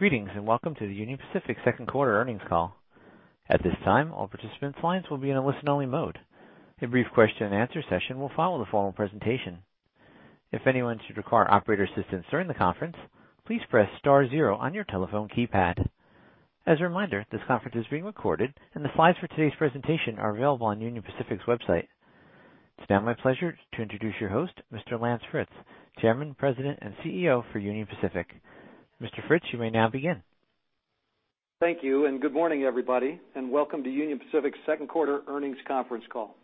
Greetings. Welcome to the Union Pacific second quarter earnings call. At this time, all participants' lines will be in a listen-only mode. A brief question-and-answer session will follow the formal presentation. If anyone should require operator assistance during the conference, please press star zero on your telephone keypad. As a reminder, this conference is being recorded, and the slides for today's presentation are available on Union Pacific's website. It's now my pleasure to introduce your host, Mr. Lance Fritz, Chairman, President, and CEO for Union Pacific. Mr. Fritz, you may now begin. Thank you. Good morning, everybody, and welcome to Union Pacific's second quarter earnings conference call.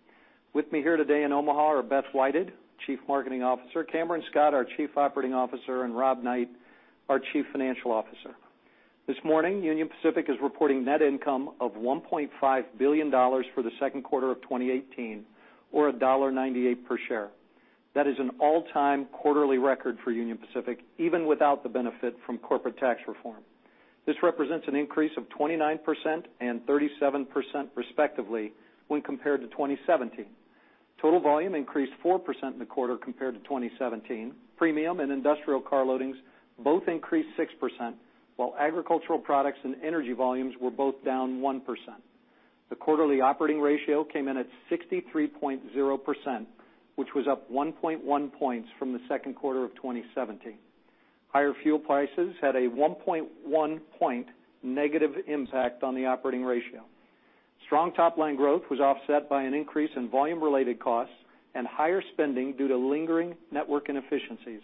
With me here today in Omaha are Beth Whited, Chief Marketing Officer, Cameron Scott, our Chief Operating Officer, and Rob Knight, our Chief Financial Officer. This morning, Union Pacific is reporting net income of $1.5 billion for the second quarter of 2018, or $1.98 per share. That is an all-time quarterly record for Union Pacific, even without the benefit from corporate tax reform. This represents an increase of 29% and 37% respectively when compared to 2017. Total volume increased 4% in the quarter compared to 2017. Premium and industrial car loadings both increased 6%, while agricultural products and energy volumes were both down 1%. The quarterly operating ratio came in at 63.0%, which was up 1.1 points from the second quarter of 2017. Higher fuel prices had a 1.1-point negative impact on the operating ratio. Strong top-line growth was offset by an increase in volume-related costs and higher spending due to lingering network inefficiencies.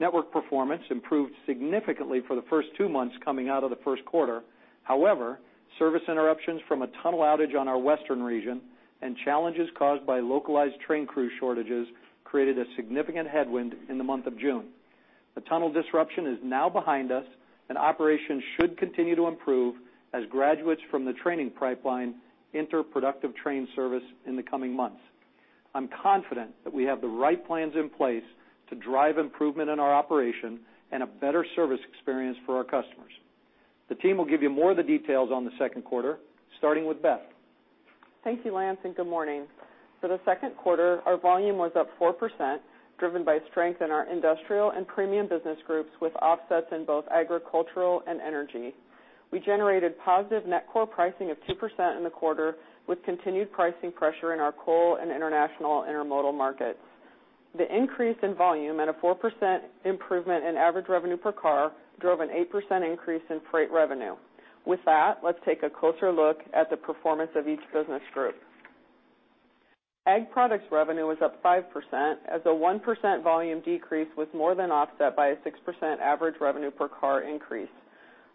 Network performance improved significantly for the first two months coming out of the first quarter. Service interruptions from a tunnel outage on our Western region and challenges caused by localized train crew shortages created a significant headwind in the month of June. The tunnel disruption is now behind us. Operations should continue to improve as graduates from the training pipeline enter productive train service in the coming months. I'm confident that we have the right plans in place to drive improvement in our operation and a better service experience for our customers. The team will give you more of the details on the second quarter, starting with Beth. Thank you, Lance. Good morning. For the second quarter, our volume was up 4%, driven by strength in our industrial and premium business groups, with offsets in both agricultural and energy. We generated positive net core pricing of 2% in the quarter, with continued pricing pressure in our coal and international intermodal markets. The increase in volume and a 4% improvement in average revenue per car drove an 8% increase in freight revenue. With that, let's take a closer look at the performance of each business group. Ag products revenue was up 5%, as a 1% volume decrease was more than offset by a 6% average revenue per car increase.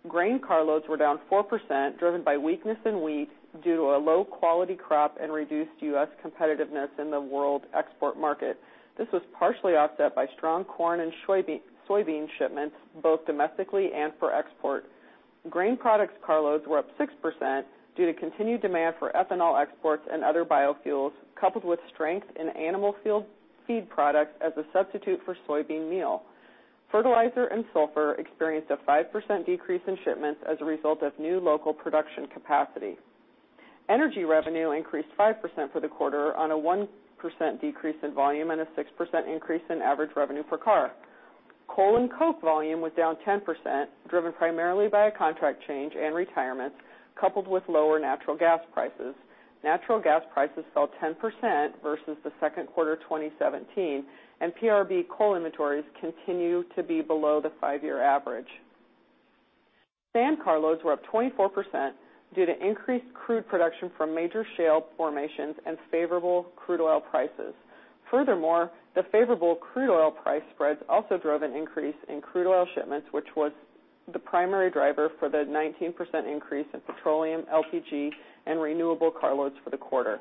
Grain carloads were down 4%, driven by weakness in wheat due to a low-quality crop and reduced U.S. competitiveness in the world export market. This was partially offset by strong corn and soybean shipments, both domestically and for export. Grain products carloads were up 6% due to continued demand for ethanol exports and other biofuels, coupled with strength in animal feed products as a substitute for soybean meal. Fertilizer and sulfur experienced a 5% decrease in shipments as a result of new local production capacity. Energy revenue increased 5% for the quarter on a 1% decrease in volume and a 6% increase in average revenue per car. Coal and coke volume was down 10%, driven primarily by a contract change and retirements, coupled with lower natural gas prices. Natural gas prices fell 10% versus the second quarter 2017, and PRB coal inventories continue to be below the five-year average. Sand carloads were up 24% due to increased crude production from major shale formations and favorable crude oil prices. The favorable crude oil price spreads also drove an increase in crude oil shipments, which was the primary driver for the 19% increase in petroleum, LPG, and renewable carloads for the quarter.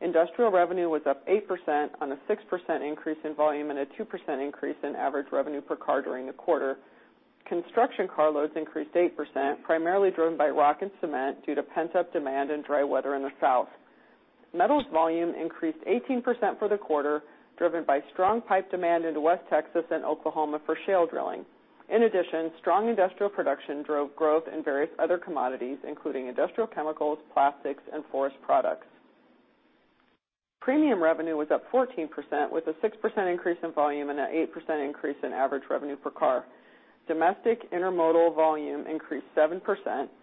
Industrial revenue was up 8% on a 6% increase in volume and a 2% increase in average revenue per car during the quarter. Construction carloads increased 8%, primarily driven by rock and cement due to pent-up demand and dry weather in the South. Metals volume increased 18% for the quarter, driven by strong pipe demand into West Texas and Oklahoma for shale drilling. Strong industrial production drove growth in various other commodities, including industrial chemicals, plastics, and forest products. Premium revenue was up 14%, with a 6% increase in volume and an 8% increase in average revenue per car. Domestic intermodal volume increased 7%,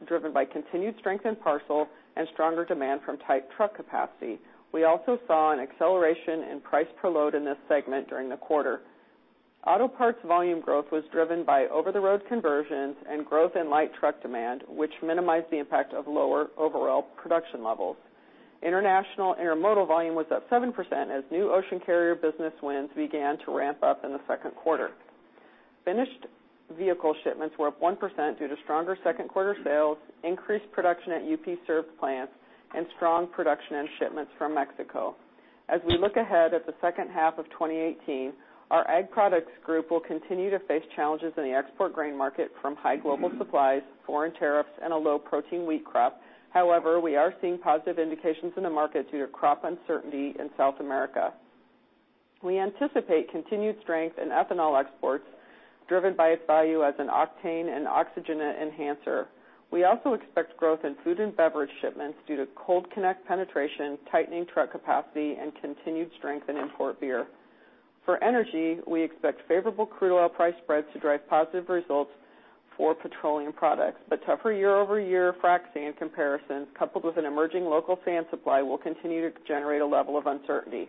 driven by continued strength in parcel and stronger demand from tight truck capacity. We also saw an acceleration in price per load in this segment during the quarter. Auto parts volume growth was driven by over-the-road conversions and growth in light truck demand, which minimized the impact of lower overall production levels. International intermodal volume was up 7% as new ocean carrier business wins began to ramp up in the second quarter. Finished vehicle shipments were up 1% due to stronger second-quarter sales, increased production at UP-served plants, and strong production and shipments from Mexico. As we look ahead at the second half of 2018, our ag products group will continue to face challenges in the export grain market from high global supplies, foreign tariffs, and a low-protein wheat crop. We are seeing positive indications in the market due to crop uncertainty in South America. We anticipate continued strength in ethanol exports, driven by its value as an octane and oxygen enhancer. We also expect growth in food and beverage shipments due to Cold Connect penetration, tightening truck capacity, and continued strength in import beer. For energy, we expect favorable crude oil price spreads to drive positive results for petroleum products. Tougher year-over-year frac sand comparisons, coupled with an emerging local sand supply, will continue to generate a level of uncertainty.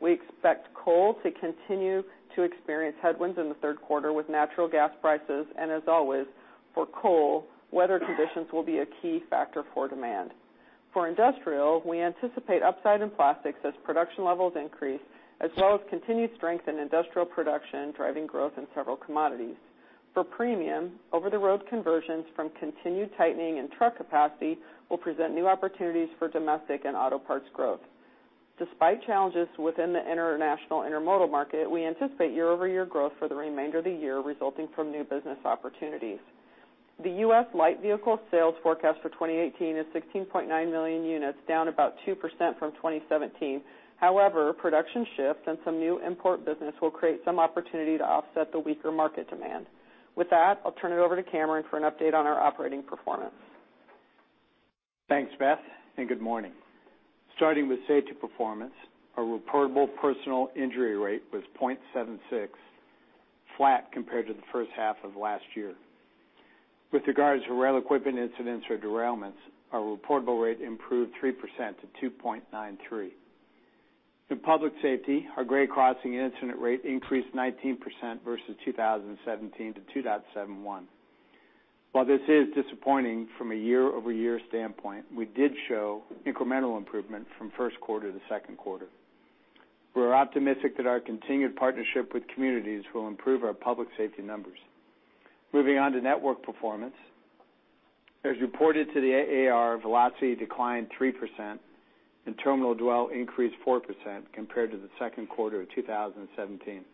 We expect coal to continue to experience headwinds in the third quarter with natural gas prices. As always, for coal, weather conditions will be a key factor for demand. For industrial, we anticipate upside in plastics as production levels increase, as well as continued strength in industrial production, driving growth in several commodities. For premium, over-the-road conversions from continued tightening in truck capacity will present new opportunities for domestic and auto parts growth. Despite challenges within the international intermodal market, we anticipate year-over-year growth for the remainder of the year, resulting from new business opportunities. The U.S. light vehicle sales forecast for 2018 is 16.9 million units, down about 2% from 2017. However, production shifts and some new import business will create some opportunity to offset the weaker market demand. With that, I'll turn it over to Cameron for an update on our operating performance. Thanks, Beth, and good morning. Starting with safety performance, our reportable personal injury rate was 0.76, flat compared to the first half of last year. With regards to rail equipment incidents or derailments, our reportable rate improved 3% to 2.93. In public safety, our grade crossing incident rate increased 19% versus 2017 to 2.71. While this is disappointing from a year-over-year standpoint, we did show incremental improvement from first quarter to second quarter. We're optimistic that our continued partnership with communities will improve our public safety numbers. Moving on to network performance. As reported to the AAR, velocity declined 3% and terminal dwell increased 4% compared to the second quarter of 2017.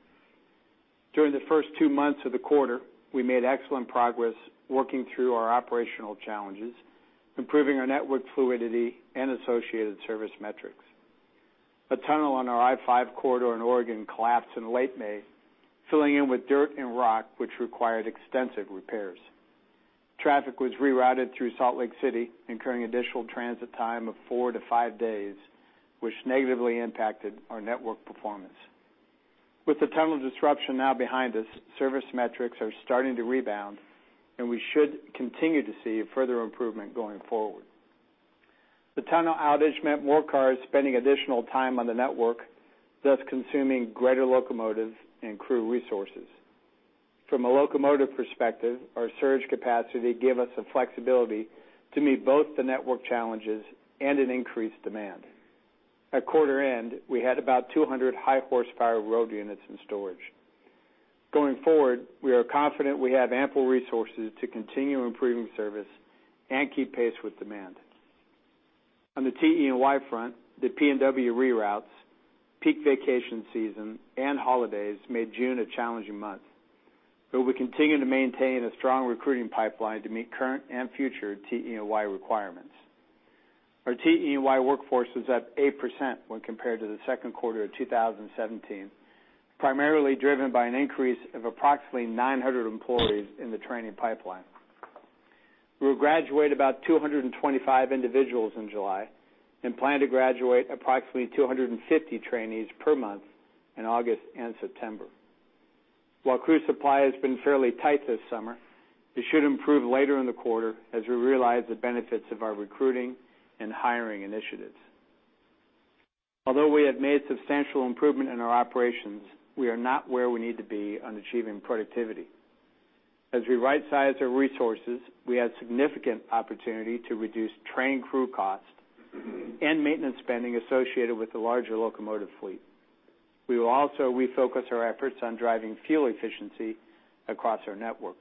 During the first two months of the quarter, we made excellent progress working through our operational challenges, improving our network fluidity and associated service metrics. A tunnel on our I-5 corridor in Oregon collapsed in late May, filling in with dirt and rock, which required extensive repairs. Traffic was rerouted through Salt Lake City, incurring additional transit time of four to five days, which negatively impacted our network performance. With the tunnel disruption now behind us, service metrics are starting to rebound, and we should continue to see further improvement going forward. The tunnel outage meant more cars spending additional time on the network, thus consuming greater locomotive and crew resources. From a locomotive perspective, our surge capacity gave us the flexibility to meet both the network challenges and an increased demand. At quarter end, we had about 200 high-horsepower road units in storage. Going forward, we are confident we have ample resources to continue improving service and keep pace with demand. On the TE&Y front, the PNW reroutes, peak vacation season, and holidays made June a challenging month. We continue to maintain a strong recruiting pipeline to meet current and future TE&Y requirements. Our TE&Y workforce was up 8% when compared to the second quarter of 2017, primarily driven by an increase of approximately 900 employees in the training pipeline. We will graduate about 225 individuals in July and plan to graduate approximately 250 trainees per month in August and September. While crew supply has been fairly tight this summer, it should improve later in the quarter as we realize the benefits of our recruiting and hiring initiatives. Although we have made substantial improvement in our operations, we are not where we need to be on achieving productivity. As we right-size our resources, we have significant opportunity to reduce train crew cost and maintenance spending associated with the larger locomotive fleet. We will also refocus our efforts on driving fuel efficiency across our network.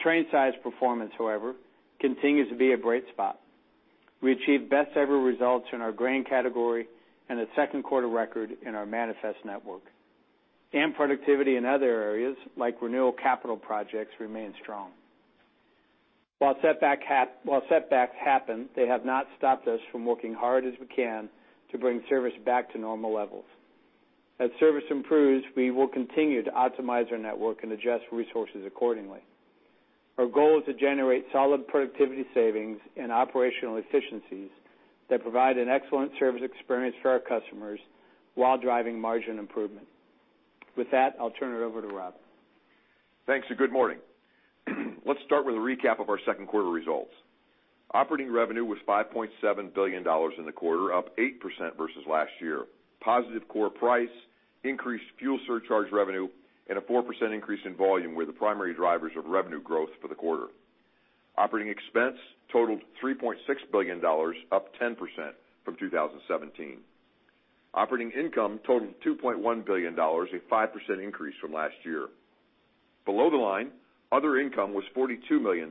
Train size performance, however, continues to be a bright spot. We achieved best-ever results in our grain category and a second quarter record in our manifest network. Productivity in other areas, like renewal capital projects, remain strong. While setbacks happen, they have not stopped us from working hard as we can to bring service back to normal levels. As service improves, we will continue to optimize our network and adjust resources accordingly. Our goal is to generate solid productivity savings and operational efficiencies that provide an excellent service experience for our customers while driving margin improvement. With that, I'll turn it over to Rob. Thanks, and good morning. Let's start with a recap of our second quarter results. Operating revenue was $5.7 billion in the quarter, up 8% versus last year. Positive core price, increased fuel surcharge revenue, and a 4% increase in volume were the primary drivers of revenue growth for the quarter. Operating expense totaled $3.6 billion, up 10% from 2017. Operating income totaled $2.1 billion, a 5% increase from last year. Below the line, other income was $42 million,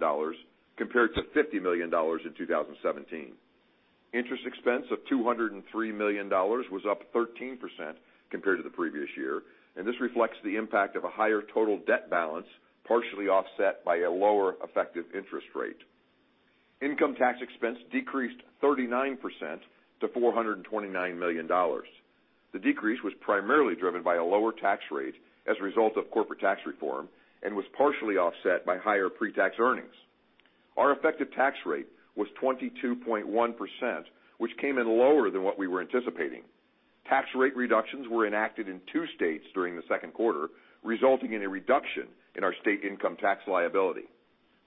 compared to $50 million in 2017. Interest expense of $203 million was up 13% compared to the previous year. This reflects the impact of a higher total debt balance, partially offset by a lower effective interest rate. Income tax expense decreased 39% to $429 million. The decrease was primarily driven by a lower tax rate as a result of corporate tax reform and was partially offset by higher pre-tax earnings. Our effective tax rate was 22.1%, which came in lower than what we were anticipating. Tax rate reductions were enacted in two states during the second quarter, resulting in a reduction in our state income tax liability.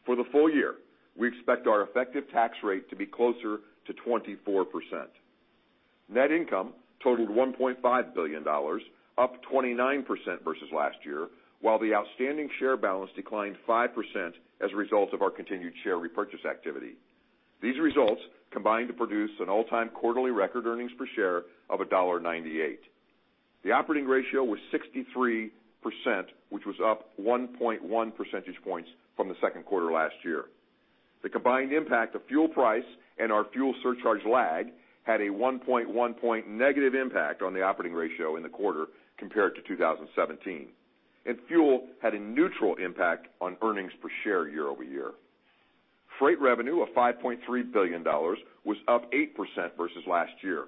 For the full year, we expect our effective tax rate to be closer to 24%. Net income totaled $1.5 billion, up 29% versus last year, while the outstanding share balance declined 5% as a result of our continued share repurchase activity. These results combined to produce an all-time quarterly record earnings per share of $1.98. The operating ratio was 63%, which was up 1.1 percentage points from the second quarter last year. The combined impact of fuel price and our fuel surcharge lag had a 1.1 point negative impact on the operating ratio in the quarter compared to 2017. Fuel had a neutral impact on earnings per share year-over-year. Freight revenue of $5.3 billion was up 8% versus last year.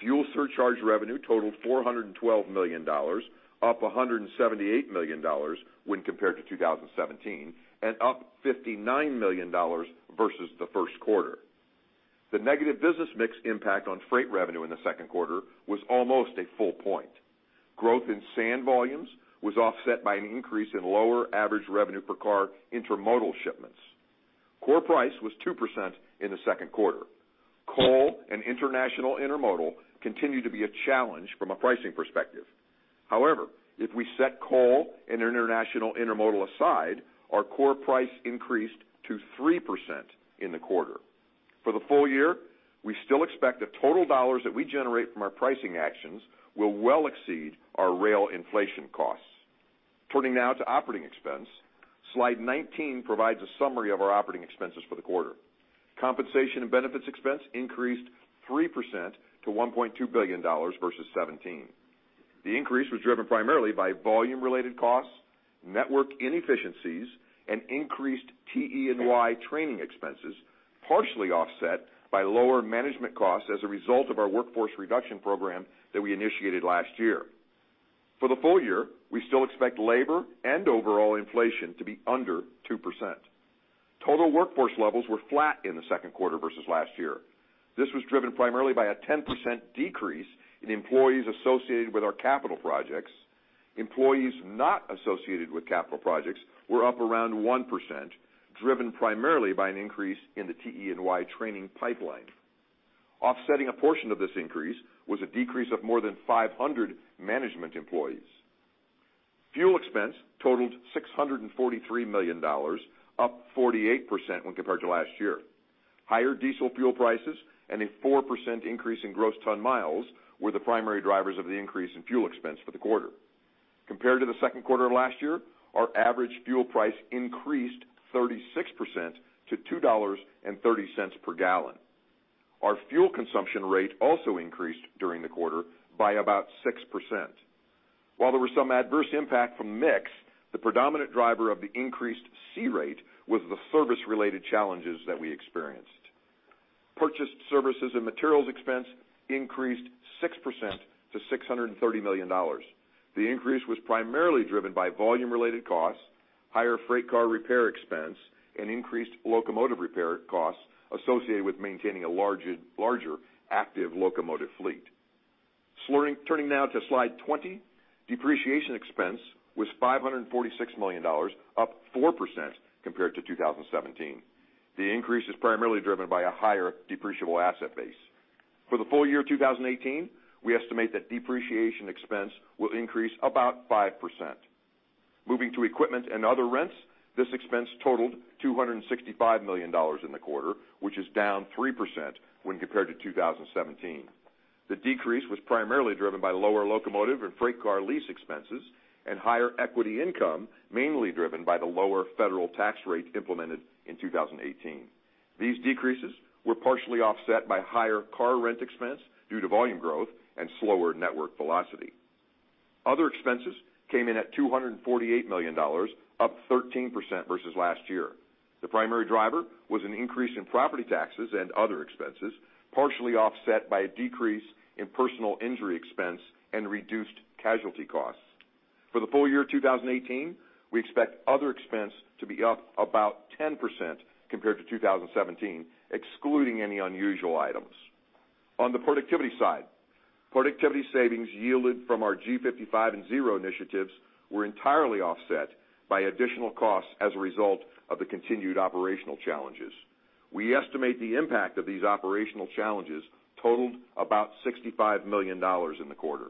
Fuel surcharge revenue totaled $412 million, up $178 million when compared to 2017. Up $59 million versus the first quarter. The negative business mix impact on freight revenue in the second quarter was almost a full point. Growth in sand volumes was offset by an increase in lower average revenue per car intermodal shipments. Core price was 2% in the second quarter. Coal and international intermodal continue to be a challenge from a pricing perspective. However, if we set coal and international intermodal aside, our core price increased to 3% in the quarter. For the full year, we still expect the total dollars that we generate from our pricing actions will well exceed our rail inflation costs. Turning now to operating expense. Slide 19 provides a summary of our operating expenses for the quarter. Compensation and benefits expense increased 3% to $1.2 billion versus 2017. The increase was driven primarily by volume-related costs, network inefficiencies, and increased TE&Y training expenses, partially offset by lower management costs as a result of our workforce reduction program that we initiated last year. For the full year, we still expect labor and overall inflation to be under 2%. Total workforce levels were flat in the second quarter versus last year. This was driven primarily by a 10% decrease in employees associated with our capital projects. Employees not associated with capital projects were up around 1%, driven primarily by an increase in the TE&Y training pipeline. Offsetting a portion of this increase was a decrease of more than 500 management employees. Fuel expense totaled $643 million, up 48% when compared to last year. Higher diesel fuel prices and a 4% increase in gross ton miles were the primary drivers of the increase in fuel expense for the quarter. Compared to the second quarter of last year, our average fuel price increased 36% to $2.30 per gallon. Our fuel consumption rate also increased during the quarter by about 6%. While there was some adverse impact from mix, the predominant driver of the increased C-rate was the service-related challenges that we experienced. Purchased services and materials expense increased 6% to $630 million. The increase was primarily driven by volume-related costs, higher freight car repair expense, and increased locomotive repair costs associated with maintaining a larger active locomotive fleet. Turning now to slide 20. Depreciation expense was $546 million, up 4% compared to 2017. The increase is primarily driven by a higher depreciable asset base. For the full year 2018, we estimate that depreciation expense will increase about 5%. Moving to equipment and other rents, this expense totaled $265 million in the quarter, which is down 3% when compared to 2017. The decrease was primarily driven by lower locomotive and freight car lease expenses and higher equity income, mainly driven by the lower federal tax rate implemented in 2018. These decreases were partially offset by higher car rent expense due to volume growth and slower network velocity. Other expenses came in at $248 million, up 13% versus last year. The primary driver was an increase in property taxes and other expenses, partially offset by a decrease in personal injury expense and reduced casualty costs. For the full year 2018, we expect other expense to be up about 10% compared to 2017, excluding any unusual items. On the productivity side, productivity savings yielded from our G55 and Zero initiatives were entirely offset by additional costs as a result of the continued operational challenges. We estimate the impact of these operational challenges totaled about $65 million in the quarter.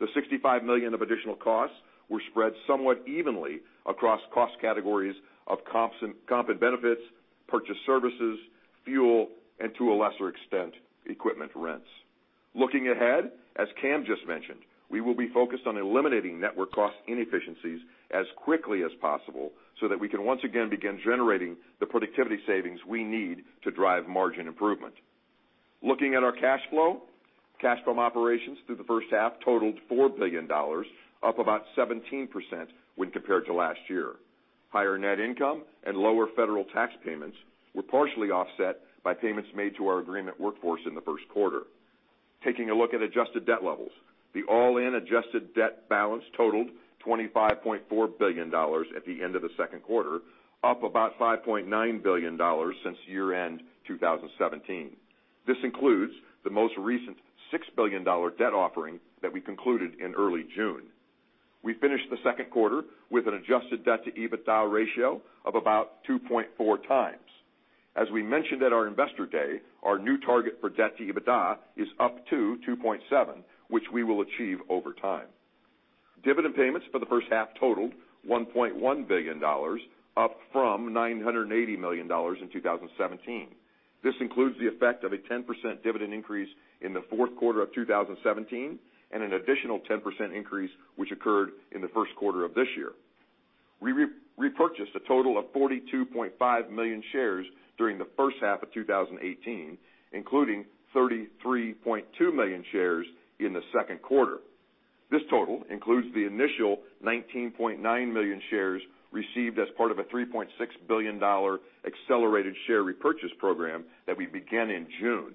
The $65 million of additional costs were spread somewhat evenly across cost categories of comp and benefits, purchased services, fuel, and to a lesser extent, equipment rents. Looking ahead, as Cam just mentioned, we will be focused on eliminating network cost inefficiencies as quickly as possible so that we can once again begin generating the productivity savings we need to drive margin improvement. Looking at our cash flow, cash from operations through the first half totaled $4 billion, up about 17% when compared to last year. Higher net income and lower federal tax payments were partially offset by payments made to our agreement workforce in the first quarter. Taking a look at adjusted debt levels. The all-in adjusted debt balance totaled $25.4 billion at the end of the second quarter, up about $5.9 billion since year-end 2017. This includes the most recent $6 billion debt offering that we concluded in early June. We finished the second quarter with an adjusted debt-to-EBITDA ratio of about 2.4 times. As we mentioned at our investor day, our new target for debt-to-EBITDA is up to 2.7, which we will achieve over time. Dividend payments for the first half totaled $1.1 billion, up from $980 million in 2017. This includes the effect of a 10% dividend increase in the fourth quarter of 2017 and an additional 10% increase which occurred in the first quarter of this year. We repurchased a total of 42.5 million shares during the first half of 2018, including 33.2 million shares in the second quarter. This total includes the initial 19.9 million shares received as part of a $3.6 billion accelerated share repurchase program that we began in June.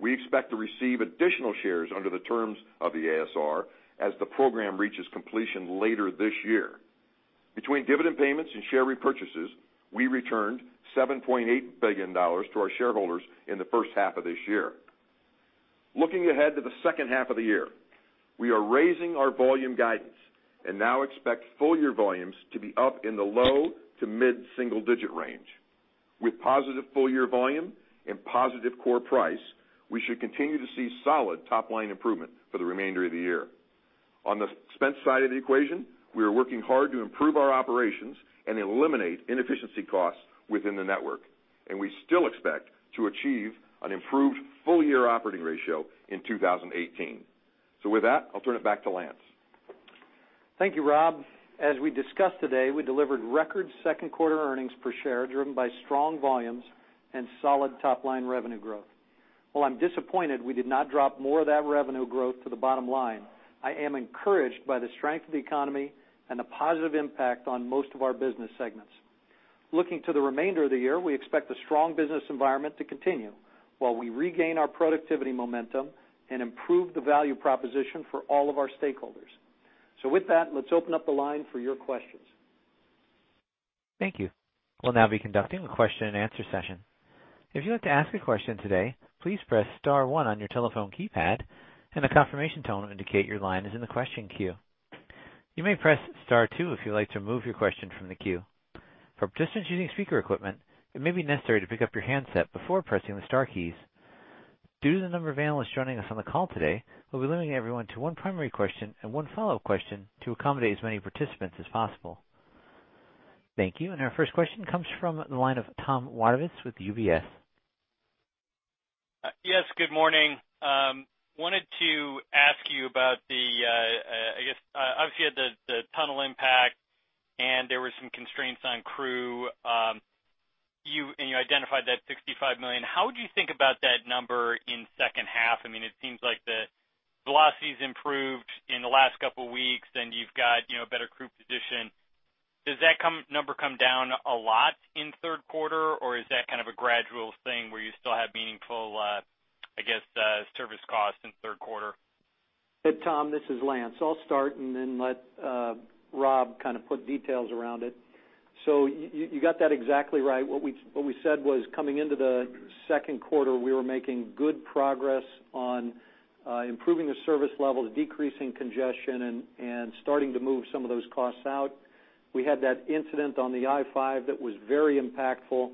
We expect to receive additional shares under the terms of the ASR as the program reaches completion later this year. Between dividend payments and share repurchases, we returned $7.8 billion to our shareholders in the first half of this year. Looking ahead to the second half of the year, we are raising our volume guidance and now expect full year volumes to be up in the low to mid-single digit range. With positive full year volume and positive core price, we should continue to see solid top-line improvement for the remainder of the year. On the expense side of the equation, we are working hard to improve our operations and eliminate inefficiency costs within the network, and we still expect to achieve an improved full-year operating ratio in 2018. With that, I'll turn it back to Lance. Thank you, Rob. As we discussed today, we delivered record second quarter earnings per share, driven by strong volumes and solid top-line revenue growth. While I'm disappointed we did not drop more of that revenue growth to the bottom line, I am encouraged by the strength of the economy and the positive impact on most of our business segments. Looking to the remainder of the year, we expect the strong business environment to continue while we regain our productivity momentum and improve the value proposition for all of our stakeholders. With that, let's open up the line for your questions. Thank you. We'll now be conducting a question and answer session. If you'd like to ask a question today, please press *1 on your telephone keypad and a confirmation tone will indicate your line is in the question queue. You may press *2 if you'd like to remove your question from the queue. For participants using speaker equipment, it may be necessary to pick up your handset before pressing the star keys. Due to the number of analysts joining us on the call today, we'll be limiting everyone to one primary question and one follow-up question to accommodate as many participants as possible. Thank you, and our first question comes from the line of Tom Wadewitz with UBS. Yes, good morning. Wanted to ask you about the, obviously you had the tunnel impact and there were some constraints on crew, and you identified that $65 million. How would you think about that number in second half? It seems like the velocity's improved in the last couple of weeks and you've got a better crew position. Does that number come down a lot in third quarter or is that kind of a gradual thing where you still have meaningful service costs in third quarter? Hey, Tom, this is Lance. I'll start and then let Rob kind of put details around it. You got that exactly right. What we said was coming into the second quarter, we were making good progress on improving the service levels, decreasing congestion, and starting to move some of those costs out. We had that incident on the I-5 that was very impactful,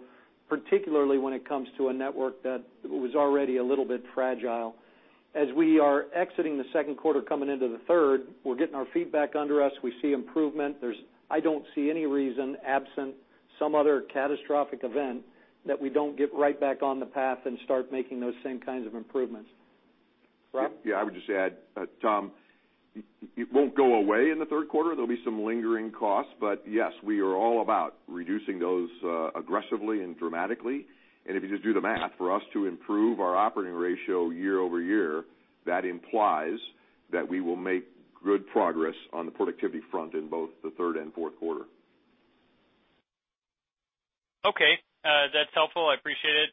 particularly when it comes to a network that was already a little bit fragile. As we are exiting the second quarter coming into the third, we're getting our feet back under us. We see improvement. I don't see any reason, absent some other catastrophic event, that we don't get right back on the path and start making those same kinds of improvements. Rob? Yeah, I would just add, Tom, it won't go away in the third quarter. There'll be some lingering costs. Yes, we are all about reducing those aggressively and dramatically. If you just do the math, for us to improve our operating ratio year-over-year, that implies that we will make good progress on the productivity front in both the third and fourth quarter. Okay. That's helpful, I appreciate it.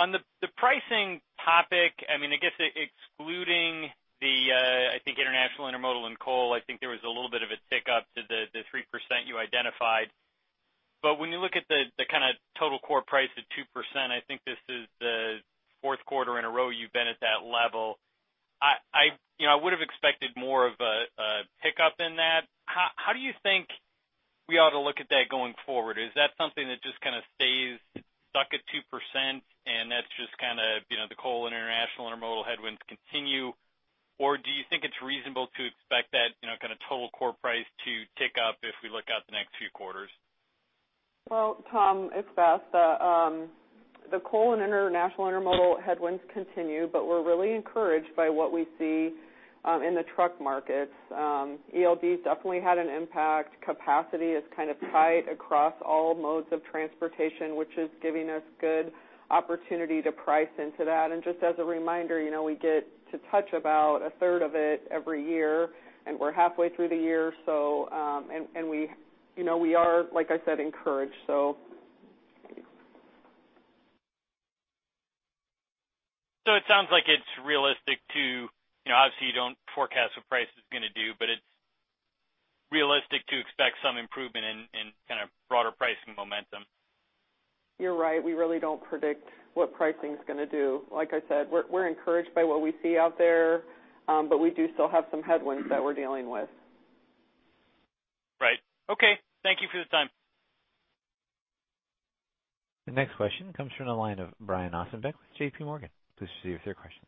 On the pricing topic, I guess excluding the, I think international intermodal and coal, I think there was a little bit of a tick up to the 3% you identified. When you look at the kind of total core price at 2%, I think this is the fourth quarter in a row you've been at that level. I would have expected more of a pickup in that. How do you think we ought to look at that going forward? Is that something that just kind of stays stuck at 2% and that's just kind of the coal and international intermodal headwinds continue, or do you think it's reasonable to expect that kind of total core price to tick up if we look out the next few quarters? Well, Tom, it's Beth. The coal and international intermodal headwinds continue, we're really encouraged by what we see in the truck markets. ELD definitely had an impact. Capacity is kind of tight across all modes of transportation, which is giving us good opportunity to price into that. Just as a reminder, we get to touch about a third of it every year, and we're halfway through the year, and we are, like I said, encouraged. It sounds like it's realistic to obviously, you don't forecast what price is going to do, but it's realistic to expect some improvement in kind of broader pricing momentum. You're right. We really don't predict what pricing's going to do. Like I said, we're encouraged by what we see out there, we do still have some headwinds that we're dealing with. Right. Okay. Thank you for the time. The next question comes from the line of Brian Ossenbeck with J.P. Morgan. Please proceed with your question.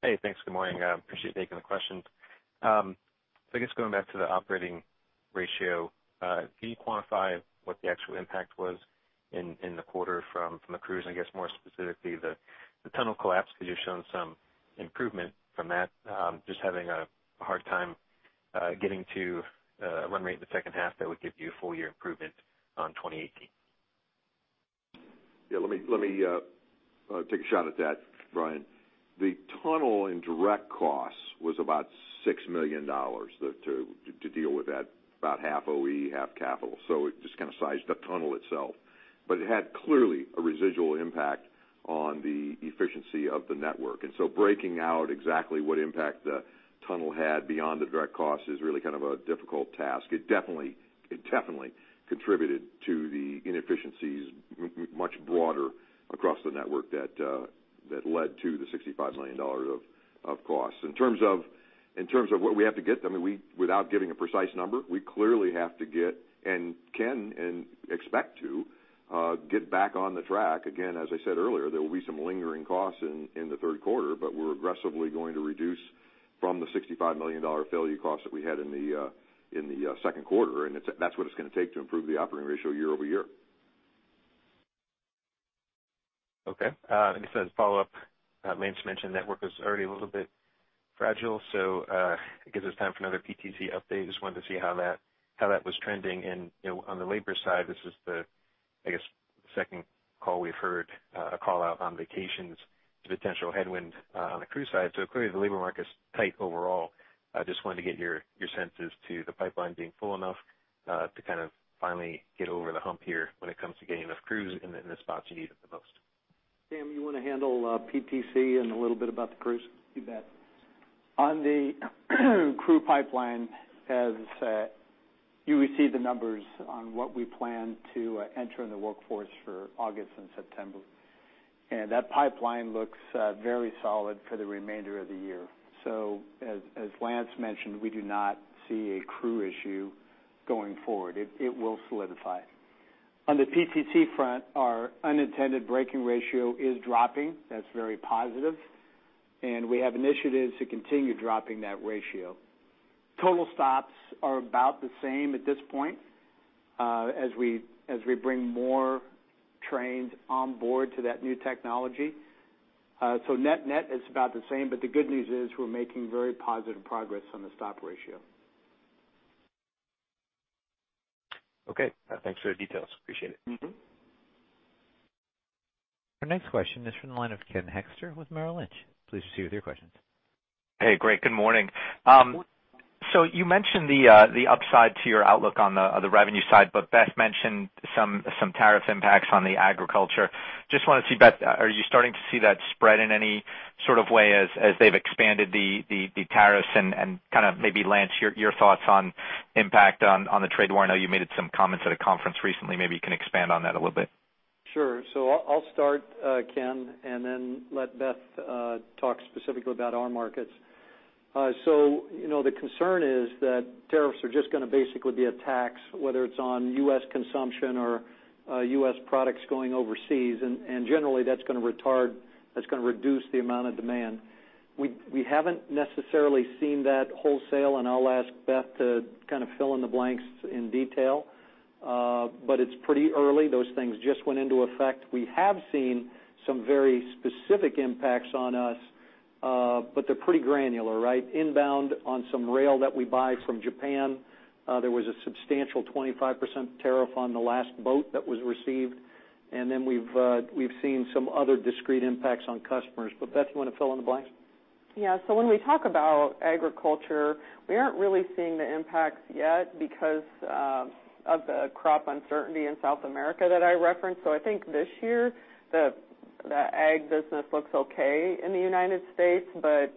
Hey, thanks. Good morning. I appreciate you taking the question. I guess going back to the operating ratio, can you quantify what the actual impact was in the quarter from the crews, and I guess more specifically, the tunnel collapse, because you've shown some improvement from that. Just having a hard time getting to a run rate in the second half that would give you a full year improvement on 2018. Yeah. Let me take a shot at that, Brian. The tunnel in direct costs was about $6 million to deal with that, about half OE, half capital. It just kind of sized the tunnel itself. It had clearly a residual impact on the efficiency of the network. Breaking out exactly what impact the tunnel had beyond the direct cost is really kind of a difficult task. It definitely contributed to the inefficiencies much broader across the network that led to the $65 million of costs. In terms of what we have to get, without giving a precise number, we clearly have to get and can and expect to get back on the track. As I said earlier, there will be some lingering costs in the third quarter. We're aggressively going to reduce from the $65 million failure cost that we had in the second quarter. That's what it's going to take to improve the operating ratio year-over-year. I guess as a follow-up, Lance mentioned network was already a little bit fragile. It gives us time for another PTC update. I just wanted to see how that was trending. On the labor side, this is the second call we've heard a call-out on vacations, the potential headwind on the crew side. Clearly the labor market's tight overall. I just wanted to get your sense as to the pipeline being full enough to kind of finally get over the hump here when it comes to getting enough crews in the spots you need it the most. Cam, you want to handle PTC and a little bit about the crews? You bet. On the crew pipeline, as you received the numbers on what we plan to enter in the workforce for August and September. That pipeline looks very solid for the remainder of the year. As Lance mentioned, we do not see a crew issue going forward. It will solidify. On the PTC front, our unintended breaking ratio is dropping. That's very positive. We have initiatives to continue dropping that ratio. Total stops are about the same at this point as we bring more trains on board to that new technology. Net is about the same. The good news is we're making very positive progress on the stop ratio. Okay. Thanks for the details. Appreciate it. Our next question is from the line of Ken Hoexter with Merrill Lynch. Please proceed with your questions. Hey, great. Good morning. You mentioned the upside to your outlook on the revenue side, but Beth mentioned some tariff impacts on the agriculture. Just want to see, Beth, are you starting to see that spread in any sort of way as they've expanded the tariffs? Kind of maybe Lance, your thoughts on impact on the trade war. I know you made some comments at a conference recently. Maybe you can expand on that a little bit. Sure. I'll start, Ken, and then let Beth talk specifically about our markets. The concern is that tariffs are just going to basically be a tax, whether it's on U.S. consumption or U.S. products going overseas, and generally, that's going to retard, that's going to reduce the amount of demand. We haven't necessarily seen that wholesale, and I'll ask Beth to kind of fill in the blanks in detail. It's pretty early. Those things just went into effect. We have seen some very specific impacts on us, but they're pretty granular, right? Inbound on some rail that we buy from Japan, there was a substantial 25% tariff on the last boat that was received. Then we've seen some other discrete impacts on customers. Beth, you want to fill in the blanks? Yeah. When we talk about agriculture, we aren't really seeing the impacts yet because of the crop uncertainty in South America that I referenced. I think this year, the ag business looks okay in the United States, but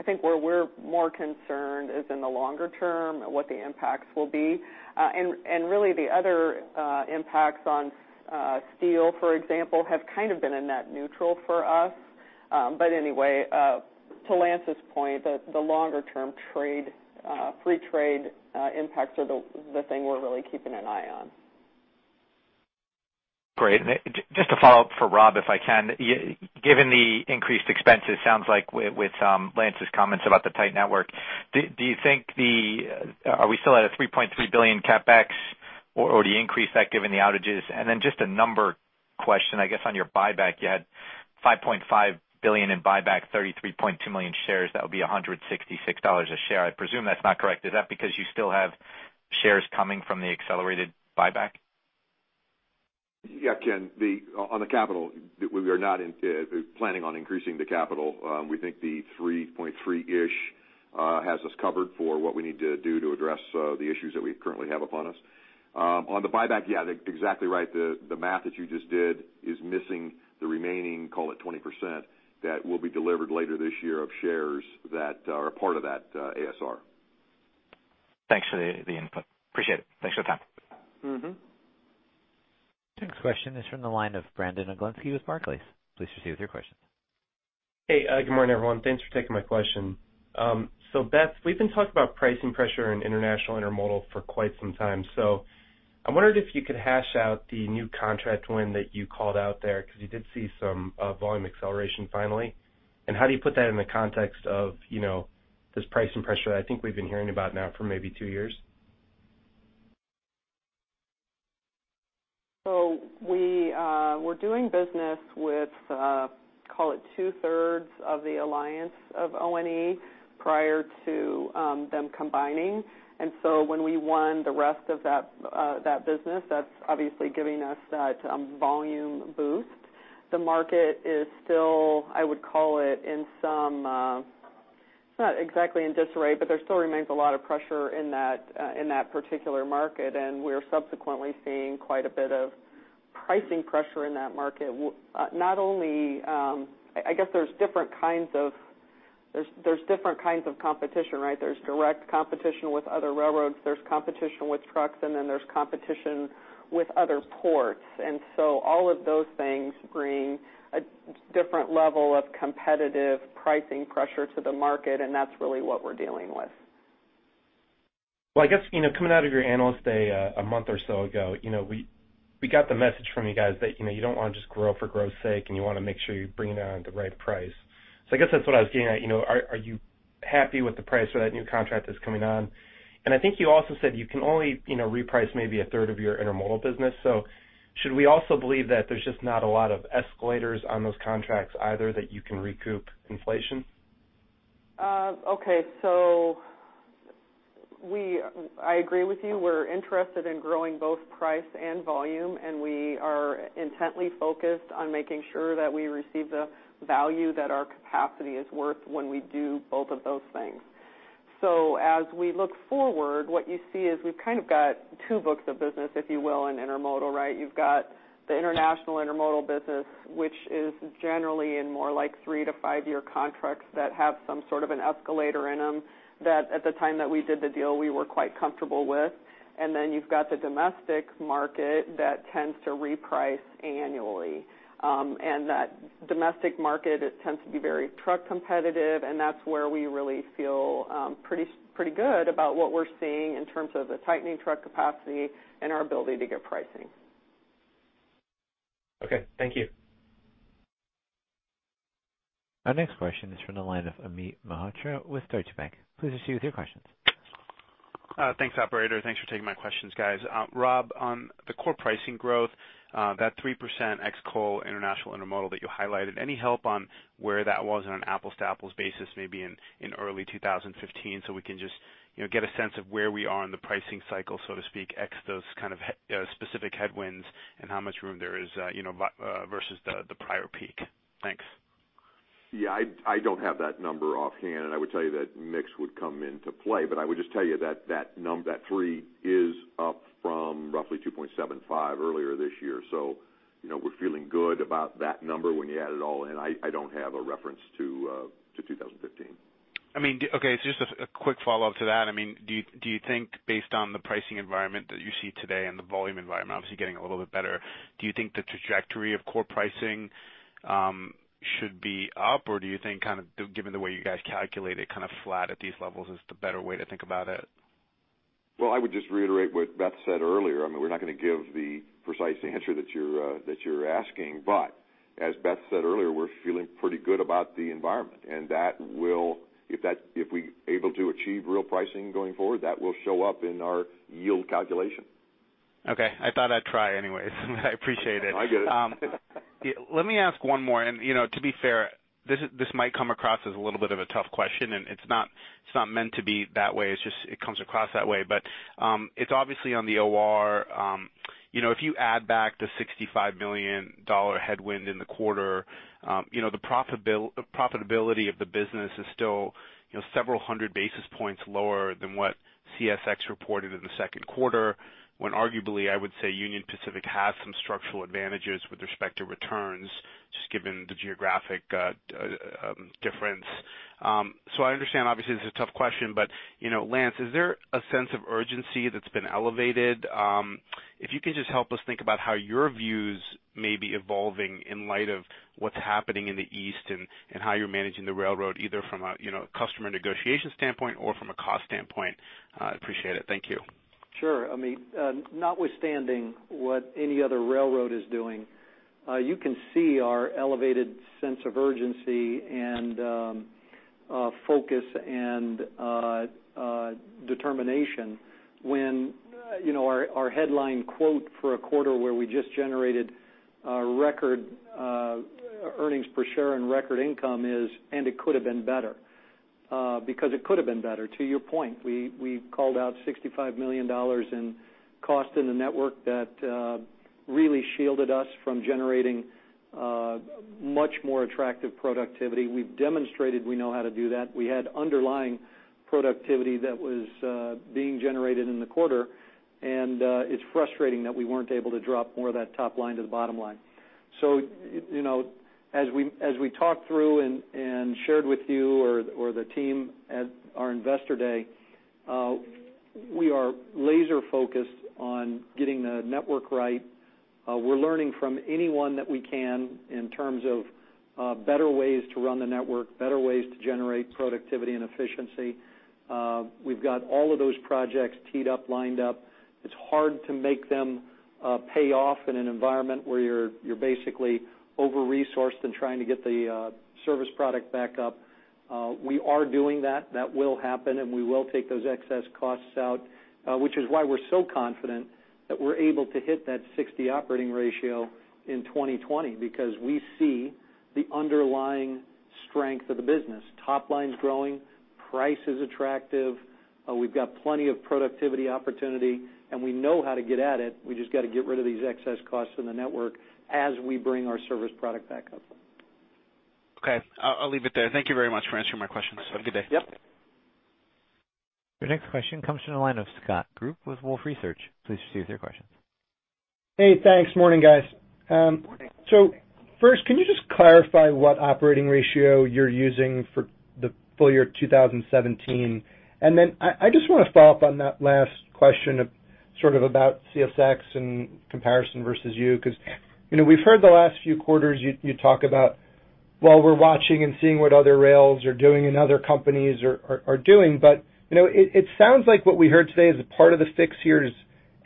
I think where we're more concerned is in the longer term, what the impacts will be. Really the other impacts on steel, for example, have kind of been a net neutral for us. Anyway, to Lance's point, the longer-term trade, free trade impacts are the thing we're really keeping an eye on. Great. Just to follow up for Rob, if I can, given the increased expenses, sounds like with Lance's comments about the tight network, are we still at a $3.3 billion CapEx, or do you increase that given the outages? Just a number question, I guess, on your buyback. You had $5.5 billion in buyback, 33.2 million shares. That would be $166 a share. I presume that's not correct. Is that because you still have shares coming from the accelerated buyback? Yeah, Ken, on the capital, we are not planning on increasing the capital. We think the 3.3-ish has us covered for what we need to do to address the issues that we currently have upon us. On the buyback, yeah, exactly right. The math that you just did is missing the remaining, call it, 20% that will be delivered later this year of shares that are a part of that ASR. Thanks for the input. Appreciate it. Thanks for the time. Next question is from the line of Brandon Oglenski with Barclays. Please proceed with your questions. Hey, good morning, everyone. Thanks for taking my question. Beth, we've been talking about pricing pressure in international intermodal for quite some time. I wondered if you could hash out the new contract win that you called out there, because you did see some volume acceleration finally. How do you put that in the context of this pricing pressure I think we've been hearing about now for maybe 2 years? We were doing business with, call it, two-thirds of the alliance of ONE prior to them combining. When we won the rest of that business, that's obviously giving us that volume boost. The market is still, I would call it's not exactly in disarray, but there still remains a lot of pressure in that particular market, we are subsequently seeing quite a bit of pricing pressure in that market. I guess there's different kinds of competition, right? There's direct competition with other railroads, there's competition with trucks, there's competition with other ports. All of those things bring a different level of competitive pricing pressure to the market, and that's really what we're dealing with. Well, I guess, coming out of your Analyst Day a month or so ago, we got the message from you guys that you don't want to just grow for growth's sake, you want to make sure you bring it on at the right price. I guess that's what I was getting at. Are you happy with the price for that new contract that's coming on? I think you also said you can only reprice maybe a third of your intermodal business. Should we also believe that there's just not a lot of escalators on those contracts either that you can recoup inflation? Okay. I agree with you. We're interested in growing both price and volume, we are intently focused on making sure that we receive the value that our capacity is worth when we do both of those things. As we look forward, what you see is we've kind of got two books of business, if you will, in intermodal, right? You've got the international intermodal business, which is generally in more like 3 to 5-year contracts that have some sort of an escalator in them, that at the time that we did the deal, we were quite comfortable with. You've got the domestic market that tends to reprice annually. That domestic market tends to be very truck competitive, and that's where we really feel pretty good about what we're seeing in terms of the tightening truck capacity and our ability to get pricing. Okay. Thank you. Our next question is from the line of Amit Mehrotra with Deutsche Bank. Please proceed with your questions. Thanks, operator. Thanks for taking my questions, guys. Rob, on the core pricing growth, that 3% ex coal international intermodal that you highlighted, any help on where that was on an apples-to-apples basis, maybe in early 2015, we can just get a sense of where we are in the pricing cycle, so to speak, ex those kind of specific headwinds and how much room there is versus the prior peak? Thanks. Yeah, I don't have that number offhand. I would tell you that mix would come into play. I would just tell you that that three is up from roughly 2.75 earlier this year, so we're feeling good about that number when you add it all in. I don't have a reference to 2015. Okay. Just a quick follow-up to that. Do you think based on the pricing environment that you see today and the volume environment obviously getting a little bit better, do you think the trajectory of core pricing should be up, or do you think, given the way you guys calculate it, kind of flat at these levels is the better way to think about it? Well, I would just reiterate what Beth said earlier. We're not going to give the precise answer that you're asking. As Beth said earlier, we're feeling pretty good about the environment. If we are able to achieve real pricing going forward, that will show up in our yield calculation. Okay, I thought I'd try anyway. I appreciate it. I get it. To be fair, this might come across as a little bit of a tough question, and it's not meant to be that way, it comes across that way. It's obviously on the OR. If you add back the $65 million headwind in the quarter, the profitability of the business is still several hundred basis points lower than what CSX reported in the second quarter, when arguably, I would say Union Pacific has some structural advantages with respect to returns, just given the geographic difference. I understand, obviously, this is a tough question, but Lance, is there a sense of urgency that's been elevated? If you could just help us think about how your views may be evolving in light of what's happening in the East and how you're managing the railroad, either from a customer negotiation standpoint or from a cost standpoint. I appreciate it. Thank you. Sure, Amit. Notwithstanding what any other railroad is doing, you can see our elevated sense of urgency and focus and determination when our headline quote for a quarter where we just generated record earnings per share and record income is, "It could have been better." Because it could have been better. To your point, we called out $65 million in cost in the network that really shielded us from generating much more attractive productivity. We've demonstrated we know how to do that. We had underlying productivity that was being generated in the quarter, and it's frustrating that we weren't able to drop more of that top line to the bottom line. As we talked through and shared with you or the team at our Investor Day, we are laser-focused on getting the network right. We're learning from anyone that we can in terms of better ways to run the network, better ways to generate productivity and efficiency. We've got all of those projects teed up, lined up. It's hard to make them pay off in an environment where you're basically over-resourced and trying to get the service product back up. We are doing that. That will happen, and we will take those excess costs out, which is why we're so confident that we're able to hit that 60 operating ratio in 2020 because we see the underlying strength of the business. Top line's growing, price is attractive, we've got plenty of productivity opportunity, and we know how to get at it. We just got to get rid of these excess costs in the network as we bring our service product back up. Okay. I'll leave it there. Thank you very much for answering my questions. Have a good day. Yep. Your next question comes from the line of Scott Group with Wolfe Research. Please proceed with your questions. Hey, thanks. Morning, guys. Morning. First, can you just clarify what operating ratio you're using for the full year 2017? I just want to follow up on that last question, sort of about CSX and comparison versus you, because we've heard the last few quarters you talk about, well we're watching and seeing what other rails are doing and other companies are doing. It sounds like what we heard today is a part of the fix here is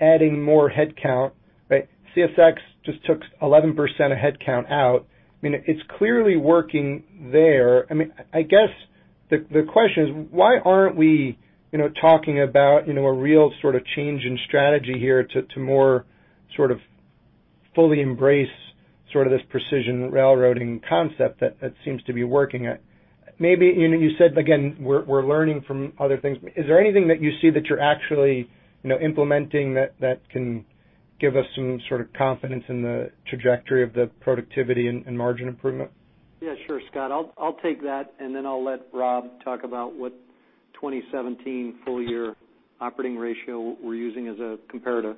adding more headcount, right? CSX just took 11% of headcount out. It's clearly working there. I guess the question is, why aren't we talking about a real sort of change in strategy here to more sort of fully embrace this precision railroading concept that seems to be working? You said, again, we're learning from other things. Is there anything that you see that you're actually implementing that can give us some sort of confidence in the trajectory of the productivity and margin improvement? Yeah, sure, Scott. I'll take that, then I'll let Rob talk about what 2017 full-year operating ratio we're using as a comparator.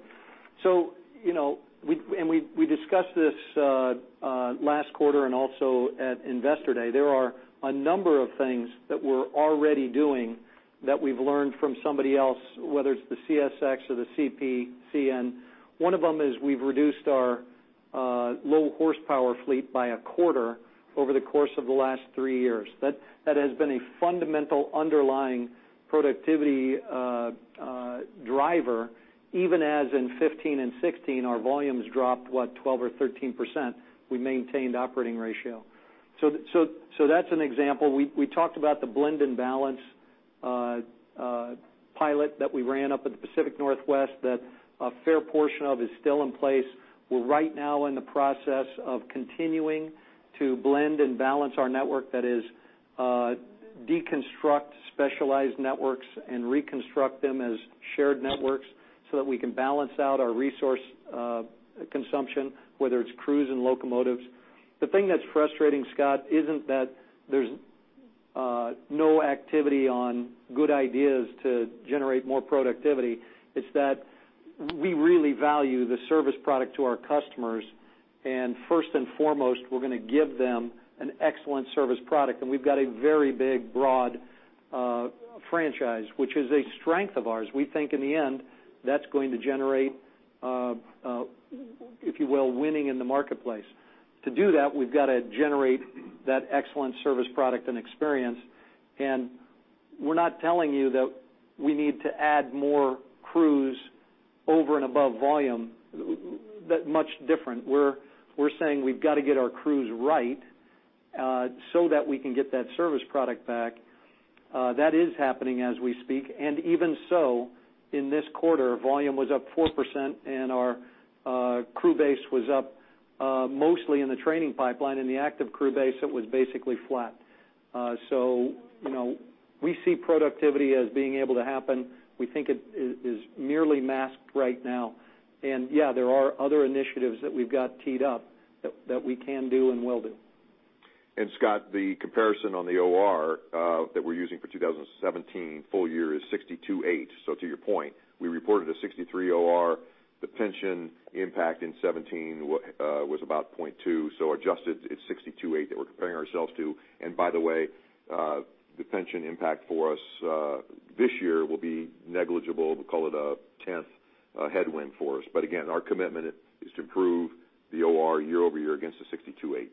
We discussed this last quarter and also at Investor Day. There are a number of things that we're already doing that we've learned from somebody else, whether it's the CSX or the CP, CN. One of them is we've reduced our low horsepower fleet by a quarter over the course of the last 3 years. That has been a fundamental underlying productivity driver, even as in 2015 and 2016, our volumes dropped, what, 12% or 13%, we maintained operating ratio. That's an example. We talked about the blend and balance pilot that we ran up at the Pacific Northwest that a fair portion of is still in place. We're right now in the process of continuing to blend and balance our network that is deconstruct specialized networks and reconstruct them as shared networks so that we can balance out our resource consumption, whether it's crews and locomotives. The thing that's frustrating, Scott, isn't that there's no activity on good ideas to generate more productivity. It's that we really value the service product to our customers, and first and foremost, we're going to give them an excellent service product. We've got a very big, broad franchise, which is a strength of ours. We think in the end, that's going to generate, if you will, winning in the marketplace. To do that, we've got to generate that excellent service product and experience. We're not telling you that we need to add more crews over and above volume, that much different. We're saying we've got to get our crews right so that we can get that service product back. That is happening as we speak. Even so, in this quarter, volume was up 4% and our crew base was up mostly in the training pipeline. In the active crew base, it was basically flat. We see productivity as being able to happen. We think it is merely masked right now. Yeah, there are other initiatives that we've got teed up that we can do and will do. Scott, the comparison on the OR that we're using for 2017 full year is 62.8. To your point, we reported a 63 OR. The pension impact in 2017 was about 0.2. Adjusted, it's 62.8 that we're comparing ourselves to. By the way, the pension impact for us this year will be negligible. We call it a tenth headwind for us. Again, our commitment is to improve the OR year-over-year against the 62.8.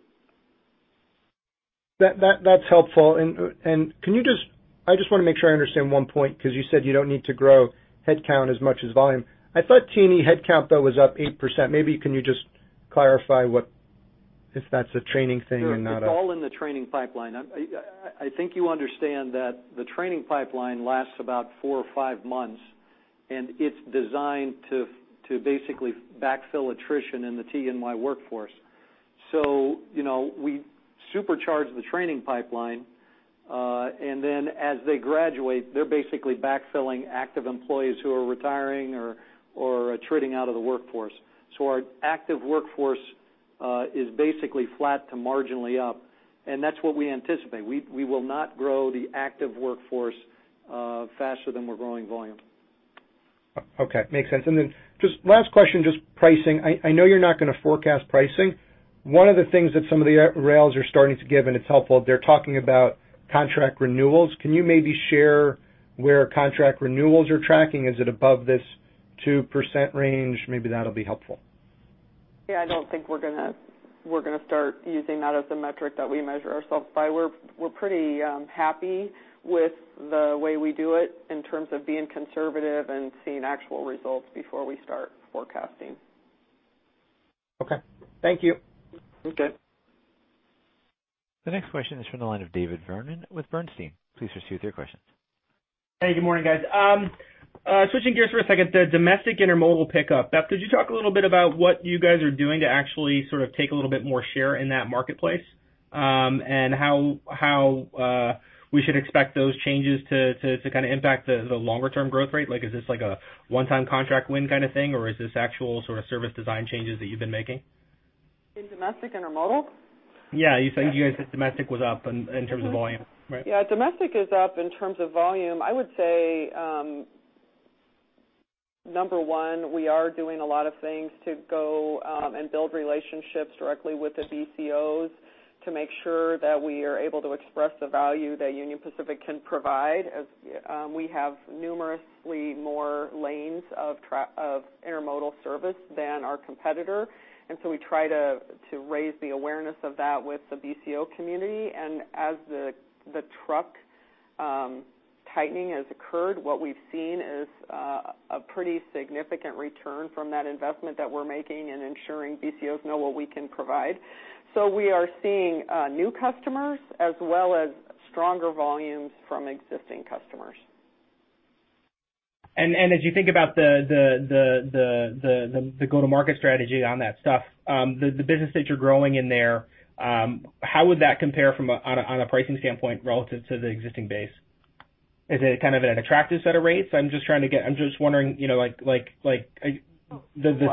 That's helpful. I just want to make sure I understand one point because you said you don't need to grow headcount as much as volume. I thought TE&Y headcount, though, was up 8%. Maybe can you just clarify if that's a training thing and not a- Sure. It's all in the training pipeline. I think you understand that the training pipeline lasts about four or five months, and it's designed to basically backfill attrition in the T&Y workforce. We supercharge the training pipeline. Then as they graduate, they're basically backfilling active employees who are retiring or attriting out of the workforce. Our active workforce is basically flat to marginally up, and that's what we anticipate. We will not grow the active workforce faster than we're growing volume. Okay. Makes sense. Just last question, just pricing. I know you're not going to forecast pricing. One of the things that some of the rails are starting to give, and it's helpful, they're talking about contract renewals. Can you maybe share where contract renewals are tracking? Is it above this 2% range? Maybe that'll be helpful. Yeah, I don't think we're going to start using that as the metric that we measure ourselves by. We're pretty happy with the way we do it in terms of being conservative and seeing actual results before we start forecasting. Okay. Thank you. Okay. The next question is from the line of David Vernon with Bernstein. Please proceed with your questions. Hey, good morning, guys. Switching gears for a second, the domestic intermodal pickup. Beth, could you talk a little bit about what you guys are doing to actually sort of take a little bit more share in that marketplace, and how we should expect those changes to kind of impact the longer-term growth rate? Is this like a one-time contract win kind of thing, or is this actual sort of service design changes that you've been making? In domestic intermodal? Yeah. You said domestic was up in terms of volume, right? Yeah, domestic is up in terms of volume. I would say, number one, we are doing a lot of things to go and build relationships directly with the BCOs to make sure that we are able to express the value that Union Pacific can provide, as we have numerous more lanes of intermodal service than our competitor. We try to raise the awareness of that with the BCO community. As the truck tightening has occurred, what we've seen is a pretty significant return from that investment that we're making in ensuring BCOs know what we can provide. We are seeing new customers as well as stronger volumes from existing customers. As you think about the go-to-market strategy on that stuff, the business that you're growing in there, how would that compare on a pricing standpoint relative to the existing base? Is it kind of an attractive set of rates? I'm just wondering, the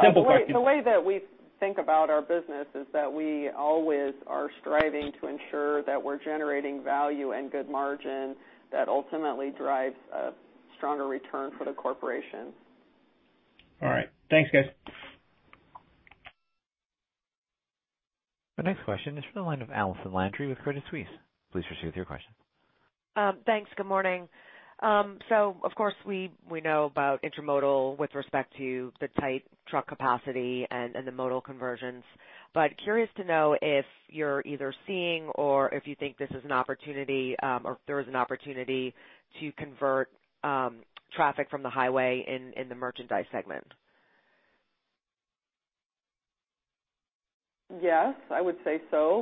simple question. The way that we think about our business is that we always are striving to ensure that we're generating value and good margin that ultimately drives a stronger return for the corporation. All right. Thanks, guys. The next question is from the line of Allison Landry with Credit Suisse. Please proceed with your question. Thanks. Good morning. Of course, we know about intermodal with respect to the tight truck capacity and the modal conversions. Curious to know if you're either seeing or if you think this is an opportunity, or if there is an opportunity to convert traffic from the highway in the merchandise segment. Yes, I would say so.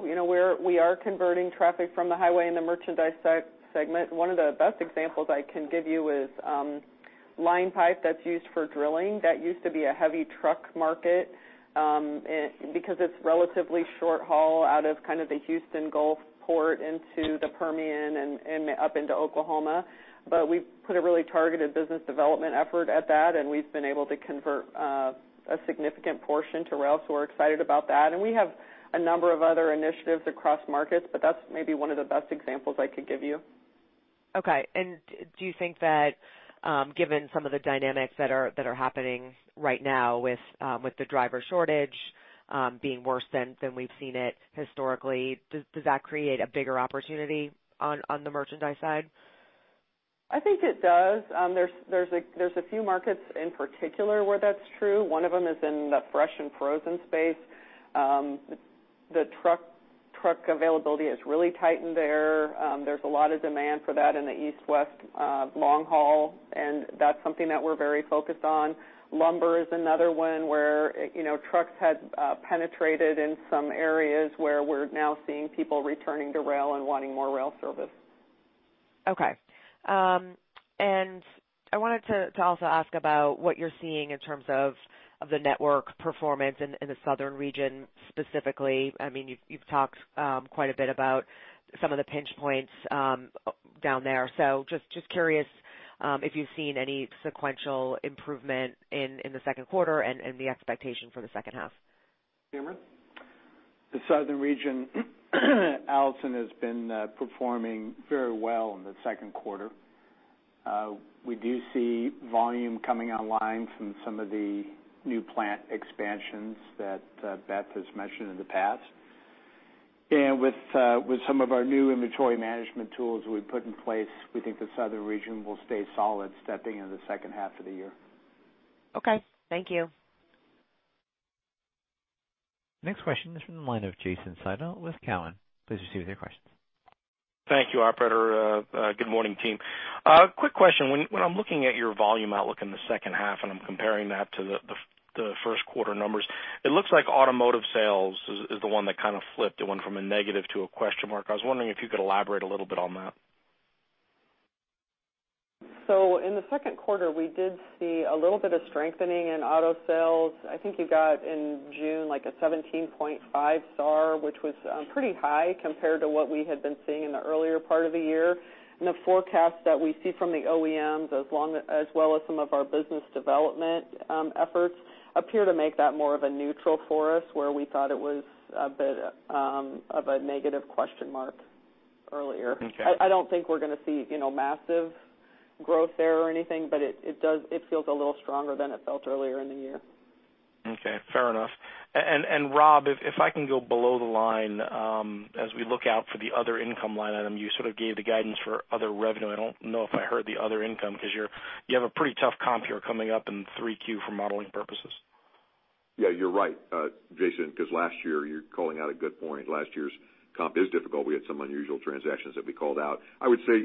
We are converting traffic from the highway in the merchandise segment. One of the best examples I can give you is line pipe that's used for drilling. That used to be a heavy truck market, because it's relatively short haul out of kind of the Houston Gulf Coast into the Permian and up into Oklahoma. We put a really targeted business development effort at that, and we've been able to convert a significant portion to rail. We're excited about that. We have a number of other initiatives across markets, but that's maybe one of the best examples I could give you. Okay. Do you think that, given some of the dynamics that are happening right now with the driver shortage being worse than we've seen it historically, does that create a bigger opportunity on the merchandise side? I think it does. There's a few markets in particular where that's true. One of them is in the fresh and frozen space. The truck availability is really tight in there. There's a lot of demand for that in the East-West long haul, and that's something that we're very focused on. Lumber is another one where trucks had penetrated in some areas where we're now seeing people returning to rail and wanting more rail service. I wanted to also ask about what you're seeing in terms of the network performance in the southern region specifically. You've talked quite a bit about some of the pinch points down there. Just curious if you've seen any sequential improvement in the second quarter and the expectation for the second half. Cameron? The southern region, Allison, has been performing very well in the second quarter. We do see volume coming online from some of the new plant expansions that Beth has mentioned in the past. With some of our new inventory management tools we put in place, we think the southern region will stay solid stepping into the second half of the year. Okay. Thank you. Next question is from the line of Jason Seidl with Cowen. Please proceed with your questions. Thank you, operator. Good morning, team. Quick question. When I'm looking at your volume outlook in the second half, and I'm comparing that to the first quarter numbers, it looks like automotive sales is the one that kind of flipped. It went from a negative to a question mark. I was wondering if you could elaborate a little bit on that. In the second quarter, we did see a little bit of strengthening in auto sales. I think you got in June, like a 17.5 SAAR, which was pretty high compared to what we had been seeing in the earlier part of the year. The forecast that we see from the OEMs, as well as some of our business development efforts, appear to make that more of a neutral for us, where we thought it was a bit of a negative question mark earlier. Okay. I don't think we're going to see massive growth there or anything, but it feels a little stronger than it felt earlier in the year. Okay. Fair enough. Rob, if I can go below the line, as we look out for the other income line item, you sort of gave the guidance for other revenue. I don't know if I heard the other income because you have a pretty tough comp here coming up in 3Q for modeling purposes. Yeah, you're right Jason, because last year, you're calling out a good point. Last year's comp is difficult. We had some unusual transactions that we called out. I would say,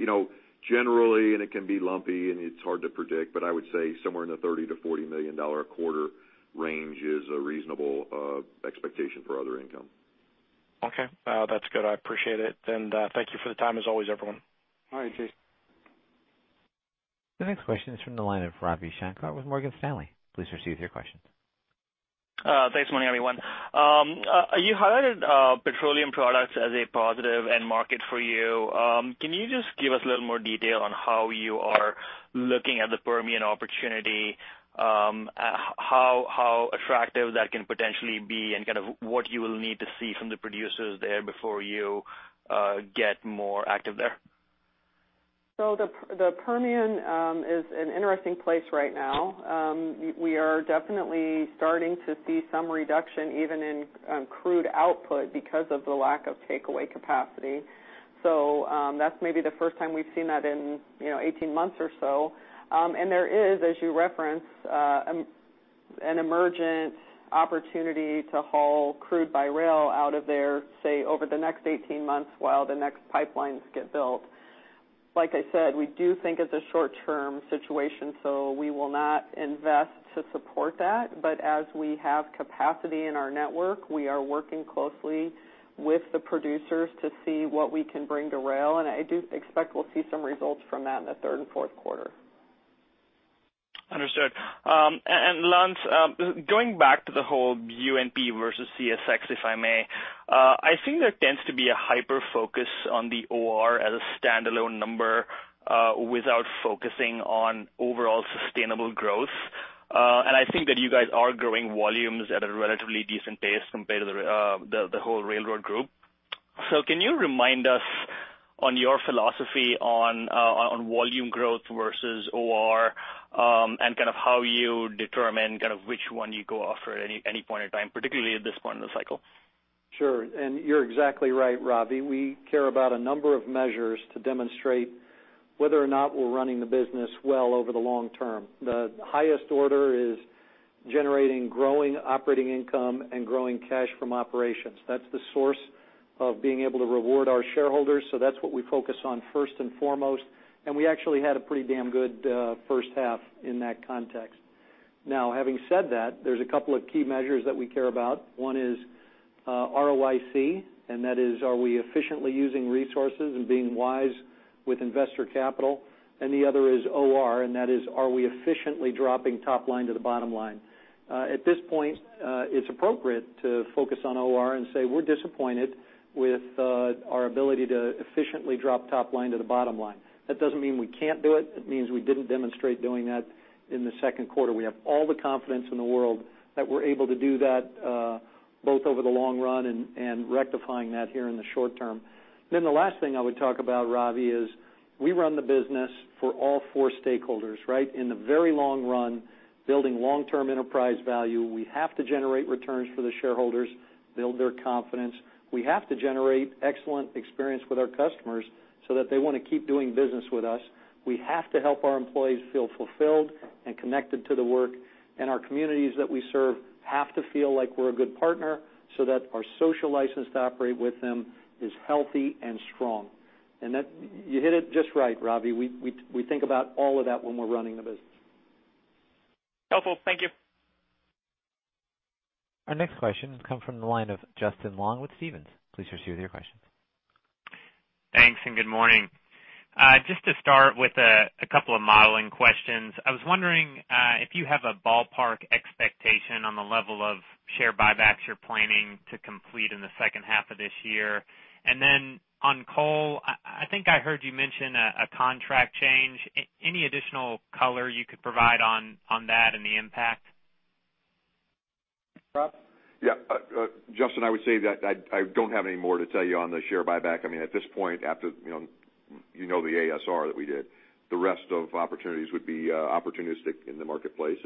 generally, and it can be lumpy and it's hard to predict, but I would say somewhere in the $30 million-$40 million a quarter range is a reasonable expectation for other income. Okay. That's good. I appreciate it. Thank you for the time, as always, everyone. All right, Jason. The next question is from the line of Ravi Shanker with Morgan Stanley. Please proceed with your question. Thanks, morning everyone. You highlighted petroleum products as a positive end market for you. Can you just give us a little more detail on how you are looking at the Permian opportunity, how attractive that can potentially be, and what you will need to see from the producers there before you get more active there? The Permian is an interesting place right now. We are definitely starting to see some reduction, even in crude output because of the lack of takeaway capacity. That's maybe the first time we've seen that in 18 months or so. There is, as you referenced, an emergent opportunity to haul crude by rail out of there, say, over the next 18 months while the next pipelines get built. Like I said, we do think it's a short-term situation, we will not invest to support that. As we have capacity in our network, we are working closely with the producers to see what we can bring to rail, and I do expect we'll see some results from that in the third and fourth quarter. Understood. Lance, going back to the whole UNP versus CSX, if I may. I think there tends to be a hyper-focus on the OR as a standalone number without focusing on overall sustainable growth. I think that you guys are growing volumes at a relatively decent pace compared to the whole railroad group. Can you remind us on your philosophy on volume growth versus OR, and how you determine which one you go after at any point in time, particularly at this point in the cycle? Sure. You're exactly right, Ravi. We care about a number of measures to demonstrate whether or not we're running the business well over the long term. The highest order is generating growing operating income and growing cash from operations. That's the source of being able to reward our shareholders, that's what we focus on first and foremost, and we actually had a pretty damn good first half in that context. Having said that, there's a couple of key measures that we care about. One is ROIC, and that is, are we efficiently using resources and being wise with investor capital? The other is OR, and that is, are we efficiently dropping top line to the bottom line? At this point, it's appropriate to focus on OR and say we're disappointed with our ability to efficiently drop top line to the bottom line. That doesn't mean we can't do it. It means we didn't demonstrate doing that in the second quarter. We have all the confidence in the world that we're able to do that both over the long run and rectifying that here in the short term. The last thing I would talk about, Ravi, is we run the business for all four stakeholders. In the very long run, building long-term enterprise value, we have to generate returns for the shareholders, build their confidence. We have to generate excellent experience with our customers so that they want to keep doing business with us. We have to help our employees feel fulfilled and connected to the work, and our communities that we serve have to feel like we're a good partner so that our social license to operate with them is healthy and strong. You hit it just right, Ravi. We think about all of that when we're running the business. Helpful. Thank you. Our next question has come from the line of Justin Long with Stephens. Please proceed with your question. Thanks, good morning. Just to start with a couple of modeling questions. I was wondering if you have a ballpark expectation on the level of share buybacks you're planning to complete in the second half of this year. On coal, I think I heard you mention a contract change. Any additional color you could provide on that and the impact? Rob? Yeah. Justin, I would say that I don't have any more to tell you on the share buyback. I mean, at this point, you know the ASR that we did. The rest of opportunities would be opportunistic in the marketplace.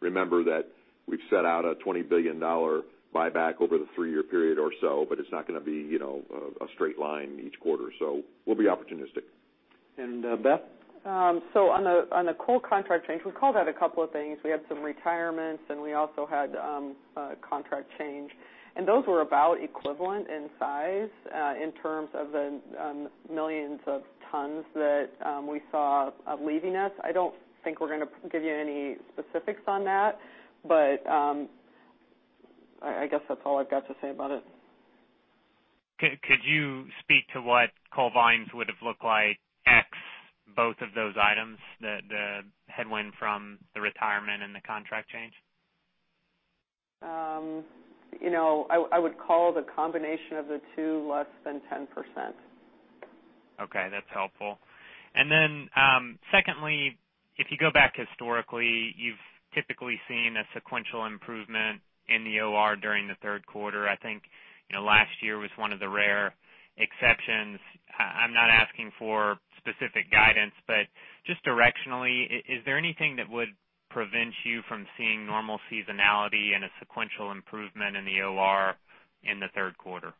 Remember that we've set out a $20 billion buyback over the three-year period or so, but it's not going to be a straight line each quarter. We'll be opportunistic. Beth? On the coal contract change, we called out a couple of things. We had some retirements, and we also had a contract change, and those were about equivalent in size in terms of the millions of tons that we saw leaving us. I don't think we're going to give you any specifics on that, but I guess that's all I've got to say about it. Could you speak to what coal volumes would have looked like, x both of those items, the headwind from the retirement and the contract change? I would call the combination of the two less than 10%. Okay, that's helpful. Then secondly, if you go back historically, you've typically seen a sequential improvement in the OR during the third quarter. I think last year was one of the rare exceptions. I'm not asking for specific guidance, but just directionally, is there anything that would prevent you from seeing normal seasonality and a sequential improvement in the OR in the third quarter?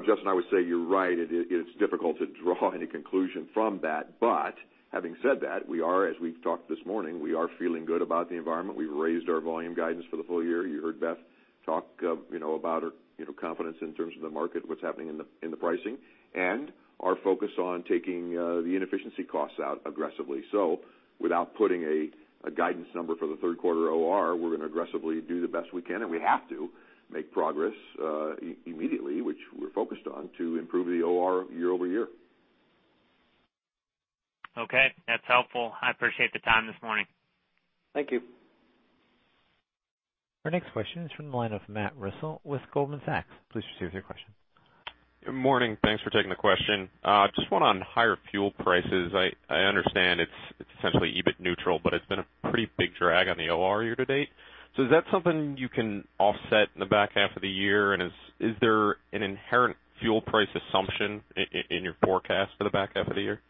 Justin, I would say you're right. It is difficult to draw any conclusion from that. Having said that, we are, as we've talked this morning, we are feeling good about the environment. We've raised our volume guidance for the full year. You heard Beth talk about her confidence in terms of the market, what's happening in the pricing, and our focus on taking the inefficiency costs out aggressively. Without putting a guidance number for the third quarter OR, we're going to aggressively do the best we can, and we have to make progress immediately, which we're focused on to improve the OR year-over-year. Okay, that's helpful. I appreciate the time this morning. Thank you. Our next question is from the line of Matthew Reustle with Goldman Sachs. Please proceed with your question. Good morning. Thanks for taking the question. Just one on higher fuel prices. I understand it's essentially EBIT neutral, but it's been a pretty big drag on the OR year to date. Is that something you can offset in the back half of the year, and is there an inherent fuel price assumption in your forecast for the back half of the year?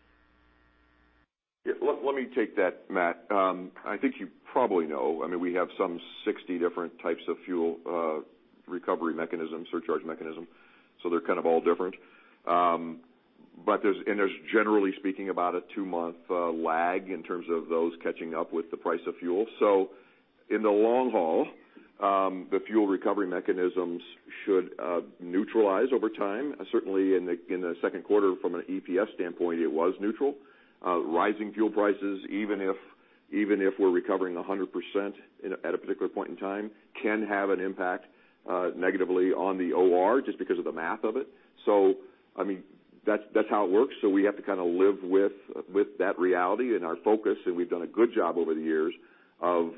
Let me take that, Matt. I think you probably know. We have some 60 different types of fuel recovery mechanisms, surcharge mechanism. They're kind of all different. There's generally speaking about a two-month lag in terms of those catching up with the price of fuel. In the long haul, the fuel recovery mechanisms should neutralize over time. Certainly in the second quarter, from an EPS standpoint, it was neutral. Rising fuel prices, even if we're recovering 100% at a particular point in time, can have an impact negatively on the OR just because of the math of it. That's how it works. We have to live with that reality and our focus, and we've done a good job over the years of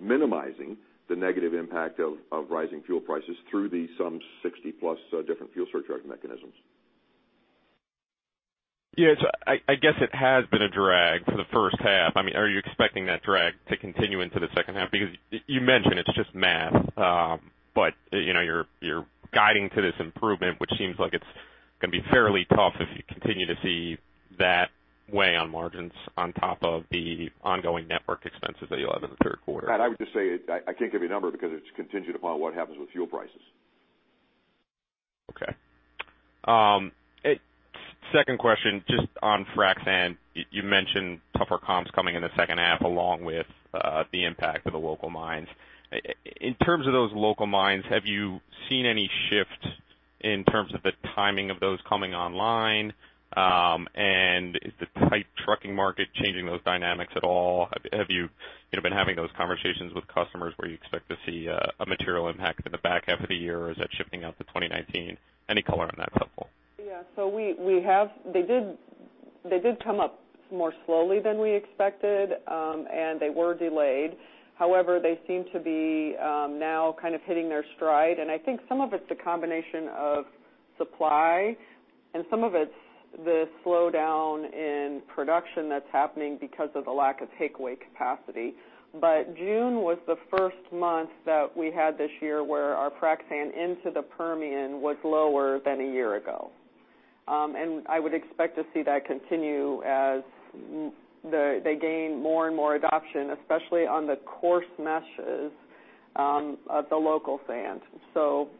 minimizing the negative impact of rising fuel prices through the some 60 plus different fuel surcharge mechanisms. Yeah. I guess it has been a drag for the first half. Are you expecting that drag to continue into the second half? You mentioned it's just math. You're guiding to this improvement, which seems like it's going to be fairly tough if you continue to see that weigh on margins on top of the ongoing network expenses that you'll have in the third quarter. Matt, I would just say, I can't give you a number because it's contingent upon what happens with fuel prices. Okay. Second question, just on frac sand. You mentioned tougher comps coming in the second half along with the impact of the local mines. In terms of those local mines, have you seen any shift in terms of the timing of those coming online? Is the tight trucking market changing those dynamics at all? Have you been having those conversations with customers where you expect to see a material impact in the back half of the year, or is that shifting out to 2019? Any color on that is helpful. Yeah. They did come up more slowly than we expected, and they were delayed. They seem to be now kind of hitting their stride, and I think some of it's the combination of supply and some of it's the slowdown in production that's happening because of the lack of takeaway capacity. June was the first month that we had this year where our frac sand into the Permian was lower than a year ago. I would expect to see that continue as they gain more and more adoption, especially on the coarse meshes of the local sand.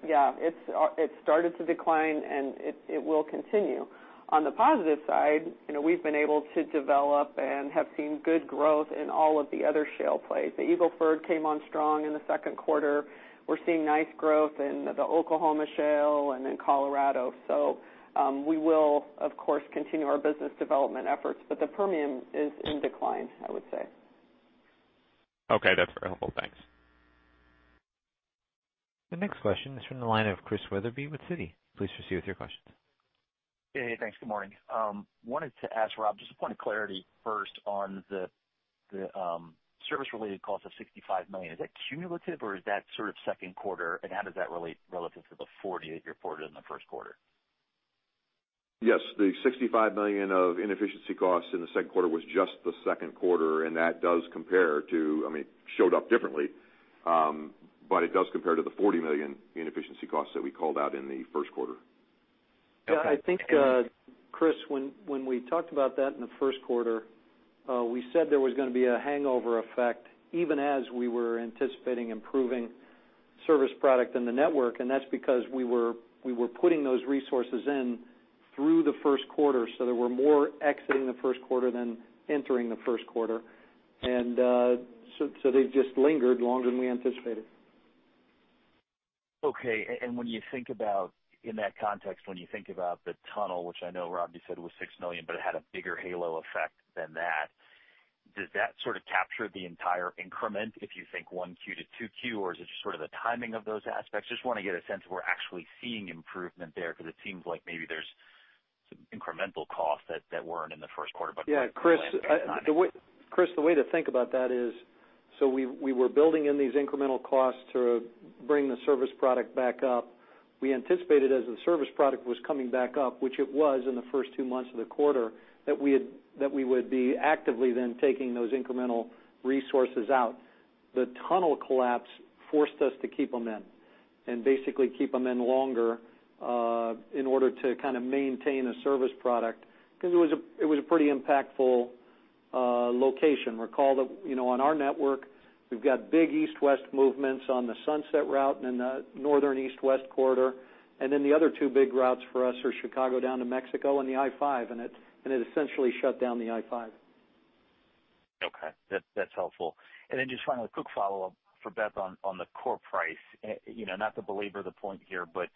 Yeah, it started to decline, and it will continue. On the positive side, we've been able to develop and have seen good growth in all of the other shale plays. The Eagle Ford came on strong in the second quarter. We're seeing nice growth in the Oklahoma Shale and in Colorado. We will, of course, continue our business development efforts. The Permian is in decline, I would say. Okay, that's very helpful. Thanks. The next question is from the line of Chris Wetherbee with Citi. Please proceed with your questions. Hey, thanks. Good morning. Wanted to ask Rob, just a point of clarity first on the service related cost of $65 million. Is that cumulative or is that sort of second quarter, and how does that relate relative to the $40 million you reported in the first quarter? Yes. The $65 million of inefficiency costs in the second quarter was just the second quarter. That does compare to the $40 million in efficiency costs that we called out in the first quarter. Okay. I think, Chris, when we talked about that in the first quarter, we said there was going to be a hangover effect even as we were anticipating improving service product in the network. That's because we were putting those resources in through the first quarter. There were more exiting the first quarter than entering the first quarter. They just lingered longer than we anticipated. Okay. In that context, when you think about the tunnel, which I know Rob, you said it was $6 million, but it had a bigger halo effect than that. Does that sort of capture the entire increment, if you think one Q to two Q, or is it just sort of the timing of those aspects? Just want to get a sense if we're actually seeing improvement there, because it seems like maybe there's some incremental costs that weren't in the first quarter. Chris, the way to think about that is, we were building in these incremental costs to bring the service product back up. We anticipated as the service product was coming back up, which it was in the first two months of the quarter, that we would be actively then taking those incremental resources out. The tunnel collapse forced us to keep them in and basically keep them in longer, in order to kind of maintain a service product, because it was a pretty impactful location. Recall that on our network, we've got big east-west movements on the Sunset Route and the northern east-west corridor, and then the other two big routes for us are Chicago down to Mexico and the I-5, and it essentially shut down the I-5. That's helpful. Then just finally, quick follow-up for Beth on the core price. Not to belabor the point here, but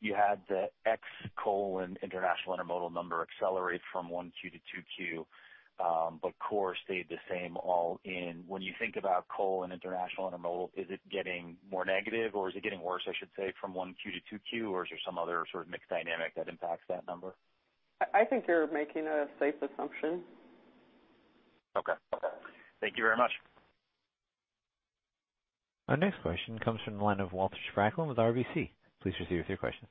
you had the ex-coal and international intermodal number accelerate from one Q to two Q, but core stayed the same all in. When you think about coal and international intermodal, is it getting more negative, or is it getting worse, I should say, from one Q to two Q, or is there some other sort of mixed dynamic that impacts that number? I think you're making a safe assumption. Okay. Thank you very much. Our next question comes from the line of Walter Spracklin with RBC. Please proceed with your question.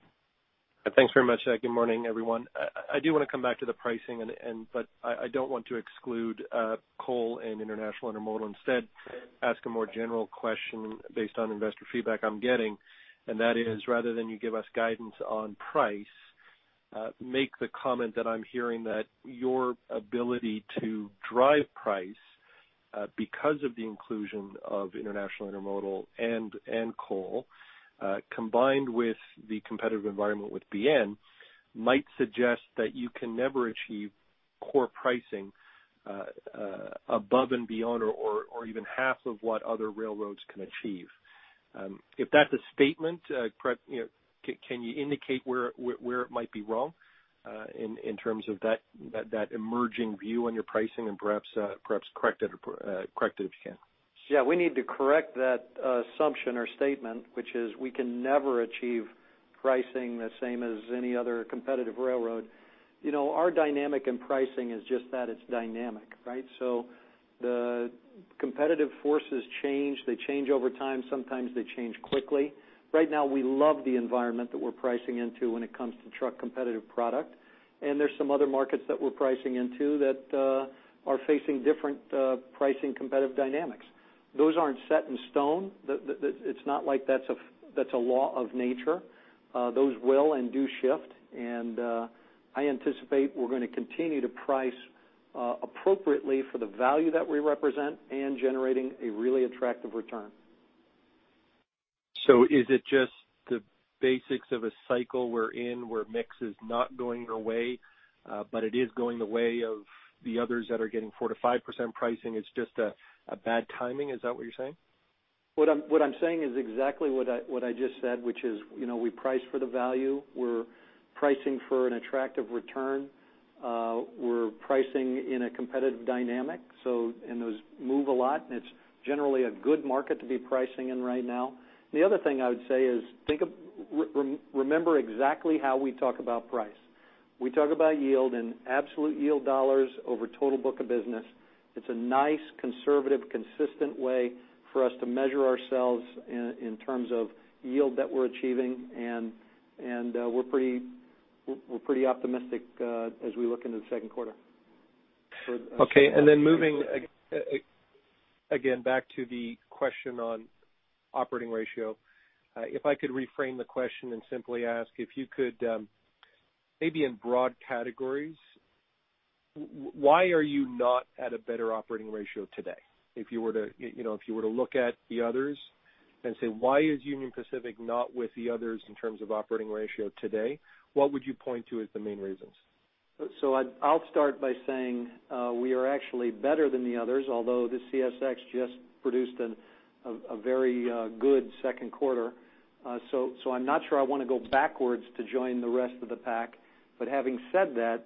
Thanks very much. Good morning, everyone. I do want to come back to the pricing, I don't want to exclude coal and international intermodal. Instead, ask a more general question based on investor feedback I'm getting, and that is, rather than you give us guidance on price, make the comment that I'm hearing that your ability to drive price because of the inclusion of international intermodal and coal, combined with the competitive environment with BN, might suggest that you can never achieve core pricing above and beyond or even half of what other railroads can achieve. If that's a statement, can you indicate where it might be wrong, in terms of that emerging view on your pricing and perhaps correct it if you can? Yeah, we need to correct that assumption or statement, which is we can never achieve pricing the same as any other competitive railroad. Our dynamic in pricing is just that, it's dynamic, right? The competitive forces change. They change over time. Sometimes they change quickly. Right now, we love the environment that we're pricing into when it comes to truck competitive product. There's some other markets that we're pricing into that are facing different pricing competitive dynamics. Those aren't set in stone. It's not like that's a law of nature. Those will and do shift, and I anticipate we're going to continue to price appropriately for the value that we represent and generating a really attractive return. Is it just the basics of a cycle we're in where mix is not going away, but it is going the way of the others that are getting 4%-5% pricing, it's just a bad timing? Is that what you're saying? What I'm saying is exactly what I just said, which is we price for the value. We're pricing for an attractive return. We're pricing in a competitive dynamic, and those move a lot, and it's generally a good market to be pricing in right now. The other thing I would say is, remember exactly how we talk about price. We talk about yield and absolute yield dollars over total book of business. It's a nice, conservative, consistent way for us to measure ourselves in terms of yield that we're achieving, and we're pretty optimistic as we look into the second quarter. Moving again back to the question on operating ratio. If I could reframe the question and simply ask if you could, maybe in broad categories, why are you not at a better operating ratio today? If you were to look at the others and say, why is Union Pacific not with the others in terms of operating ratio today, what would you point to as the main reasons? I'll start by saying we are actually better than the others, although the CSX just produced a very good second quarter. I'm not sure I want to go backwards to join the rest of the pack. Having said that,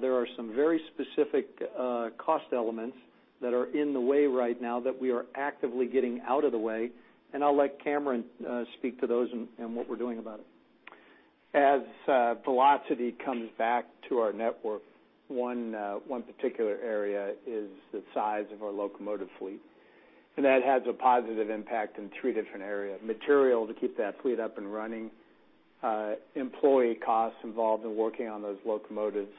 there are some very specific cost elements that are in the way right now that we are actively getting out of the way, and I'll let Cameron speak to those and what we're doing about it. As velocity comes back to our network, one particular area is the size of our locomotive fleet, and that has a positive impact in three different areas. Material to keep that fleet up and running, employee costs involved in working on those locomotives,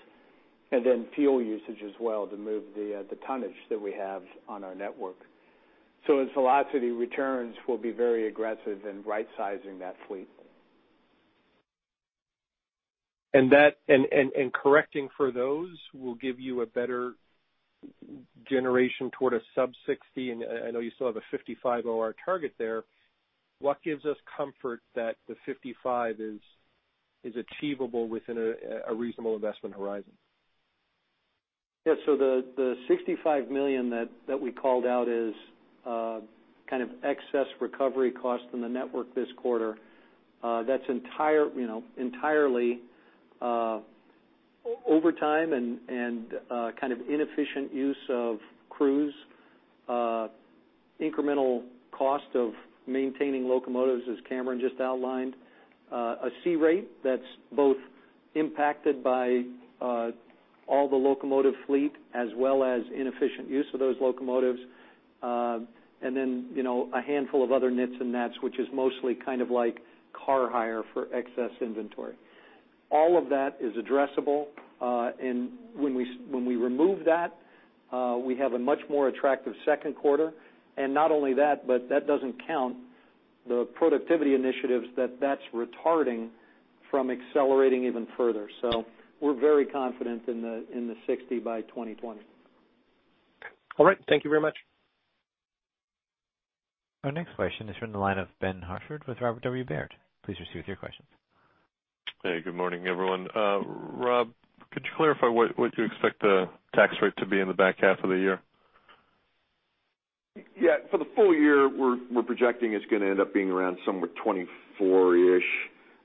and then fuel usage as well to move the tonnage that we have on our network. As velocity returns, we'll be very aggressive in right-sizing that fleet. Correcting for those will give you a better generation toward a sub-60, and I know you still have a 55% OR target there. What gives us comfort that the 55% is achievable within a reasonable investment horizon? The $65 million that we called out is kind of excess recovery cost in the network this quarter. That's entirely overtime and inefficient use of crews, incremental cost of maintaining locomotives, as Cameron just outlined, a C-rate that's both impacted by all the locomotive fleet as well as inefficient use of those locomotives, and then a handful of other nits and gnats, which is mostly like car hire for excess inventory. All of that is addressable, and when we remove that, we have a much more attractive second quarter. Not only that, but that doesn't count the productivity initiatives that that's retarding from accelerating even further. We're very confident in the 60% by 2020. All right. Thank you very much. Our next question is from the line of Ben Hartford with Robert W. Baird. Please proceed with your questions. Hey, good morning, everyone. Rob, could you clarify what you expect the tax rate to be in the back half of the year? Yeah. For the full year, we're projecting it's going to end up being around somewhere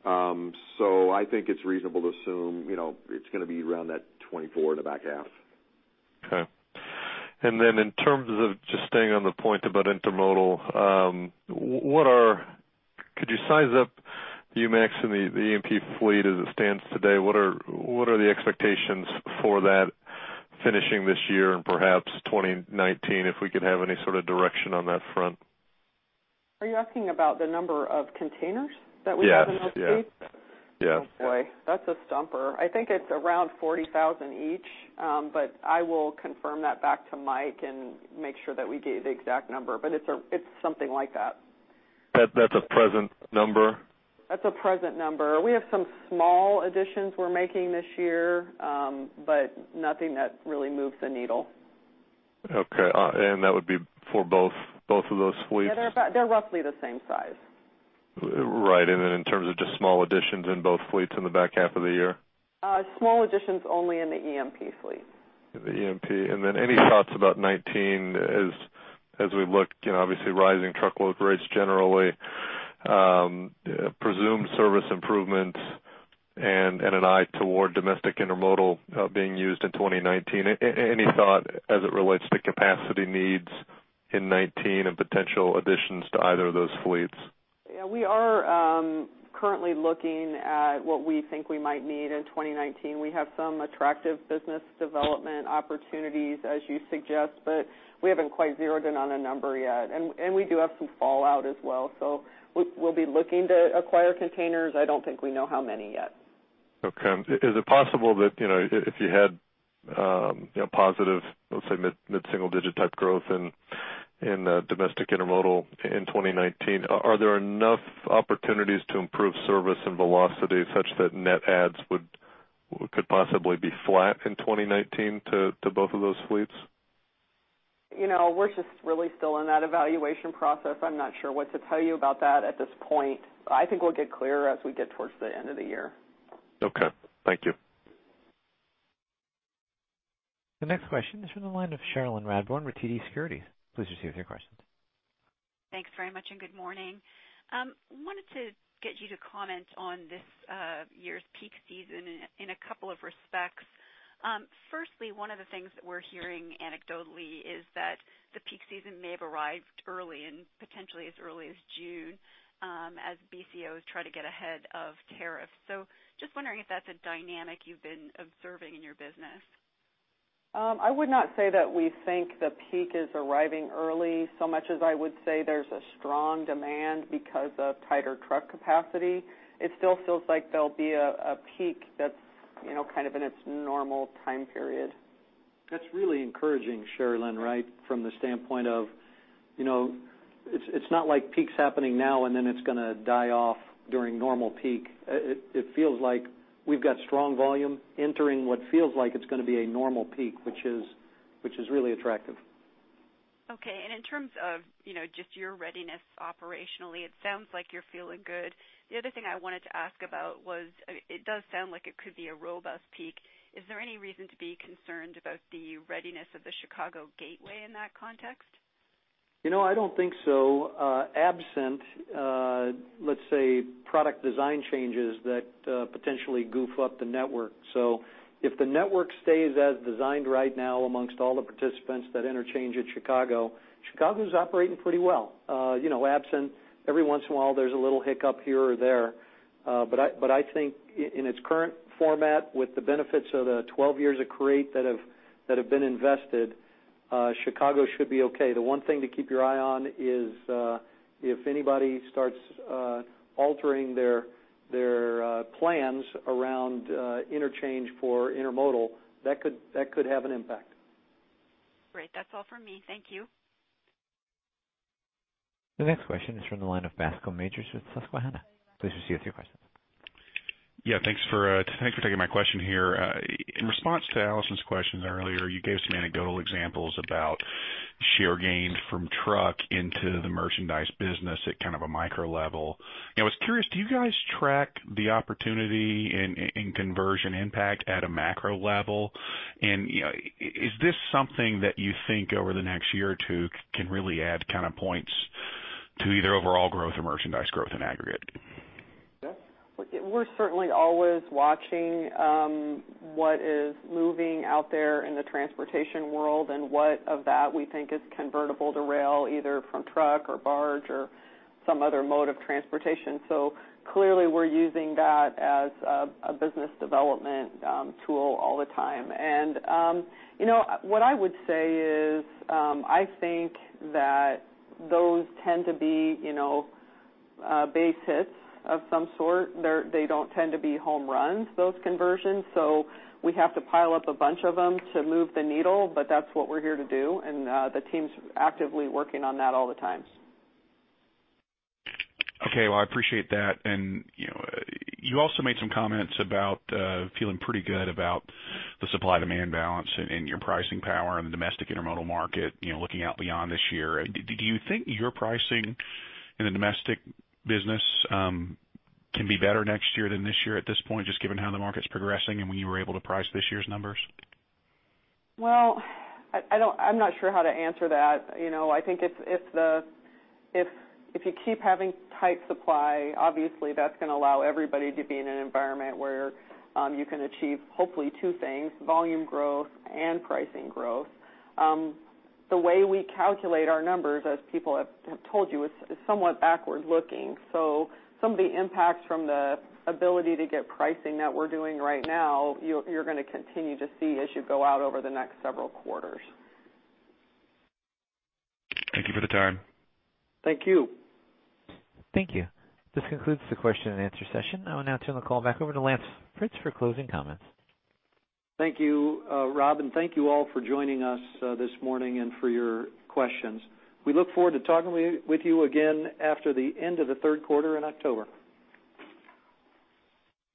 24-ish. I think it's reasonable to assume it's going to be around that 24 in the back half. Okay. In terms of just staying on the point about intermodal, could you size up UMAX and the EMP fleet as it stands today? What are the expectations for that finishing this year and perhaps 2019, if we could have any sort of direction on that front? Are you asking about the number of containers that we have in those fleets? Yes. Oh, boy. That's a stumper. I think it's around 40,000 each, but I will confirm that back to Mike and make sure that we get you the exact number, but it's something like that. That's a present number? That's a present number. We have some small additions we're making this year, but nothing that really moves the needle. Okay. That would be for both of those fleets? Yeah, they're roughly the same size. Right. In terms of just small additions in both fleets in the back half of the year? Small additions only in the EMP fleet. In the EMP. Any thoughts about 2019, as we look, obviously, rising truckload rates, generally, presumed service improvements and an eye toward domestic intermodal being used in 2019? Any thought as it relates to capacity needs in 2019 and potential additions to either of those fleets? Yeah, we are currently looking at what we think we might need in 2019. We have some attractive business development opportunities, as you suggest, we haven't quite zeroed in on a number yet. We do have some fallout as well, we'll be looking to acquire containers. I don't think we know how many yet. Okay. Is it possible that if you had positive, let's say, mid-single digit type growth in domestic intermodal in 2019, are there enough opportunities to improve service and velocity such that net adds could possibly be flat in 2019 to both of those fleets? We're just really still in that evaluation process. I'm not sure what to tell you about that at this point. I think we'll get clearer as we get towards the end of the year. Okay. Thank you. The next question is from the line of Cherilyn Radbourne with TD Securities. Please proceed with your questions. Thanks very much, and good morning. Wanted to get you to comment on this year's peak season in a couple of respects. Firstly, one of the things that we're hearing anecdotally is that the peak season may have arrived early and potentially as early as June, as BCOs try to get ahead of tariffs. Just wondering if that's a dynamic you've been observing in your business. I would not say that we think the peak is arriving early, so much as I would say there's a strong demand because of tighter truck capacity. It still feels like there'll be a peak that's in its normal time period. That's really encouraging, Cherilyn, right? From the standpoint of, it's not like peak's happening now and then it's going to die off during normal peak. It feels like we've got strong volume entering what feels like it's going to be a normal peak, which is really attractive. In terms of just your readiness operationally, it sounds like you're feeling good. The other thing I wanted to ask about was, it does sound like it could be a robust peak. Is there any reason to be concerned about the readiness of the Chicago gateway in that context? I don't think so. Absent, let's say, product design changes that potentially goof up the network. If the network stays as designed right now amongst all the participants that interchange at Chicago's operating pretty well. Every once in a while, there's a little hiccup here or there. I think in its current format, with the benefits of the 12 years of CREATE that have been invested, Chicago should be okay. The one thing to keep your eye on is, if anybody starts altering their plans around interchange for intermodal, that could have an impact. Great. That's all from me. Thank you. The next question is from the line of Bascome Majors with Susquehanna. Please proceed with your question. Yeah. Thanks for taking my question here. In response to Allison's question earlier, you gave some anecdotal examples about share gains from truck into the merchandise business at a micro level. I was curious, do you guys track the opportunity in conversion impact at a macro level? Is this something that you think over the next year or two can really add points to either overall growth or merchandise growth in aggregate. Yes. We're certainly always watching what is moving out there in the transportation world and what of that we think is convertible to rail, either from truck or barge or some other mode of transportation. Clearly, we're using that as a business development tool all the time. What I would say is, I think that those tend to be base hits of some sort. They don't tend to be home runs, those conversions. We have to pile up a bunch of them to move the needle, but that's what we're here to do, and the team's actively working on that all the time. Okay. Well, I appreciate that. You also made some comments about feeling pretty good about the supply-demand balance and your pricing power in the domestic intermodal market, looking out beyond this year. Do you think your pricing in the domestic business can be better next year than this year at this point, just given how the market's progressing and when you were able to price this year's numbers? Well, I'm not sure how to answer that. I think if you keep having tight supply, obviously that's going to allow everybody to be in an environment where you can achieve, hopefully, two things, volume growth and pricing growth. The way we calculate our numbers, as people have told you, is somewhat backward-looking. Some of the impacts from the ability to get pricing that we're doing right now, you're going to continue to see as you go out over the next several quarters. Thank you for the time. Thank you. Thank you. This concludes the question and answer session. I will now turn the call back over to Lance Fritz for closing comments. Thank you, Rob, and thank you all for joining us this morning and for your questions. We look forward to talking with you again after the end of the third quarter in October.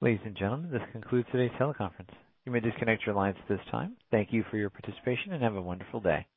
Ladies and gentlemen, this concludes today's teleconference. You may disconnect your lines at this time. Thank you for your participation, and have a wonderful day.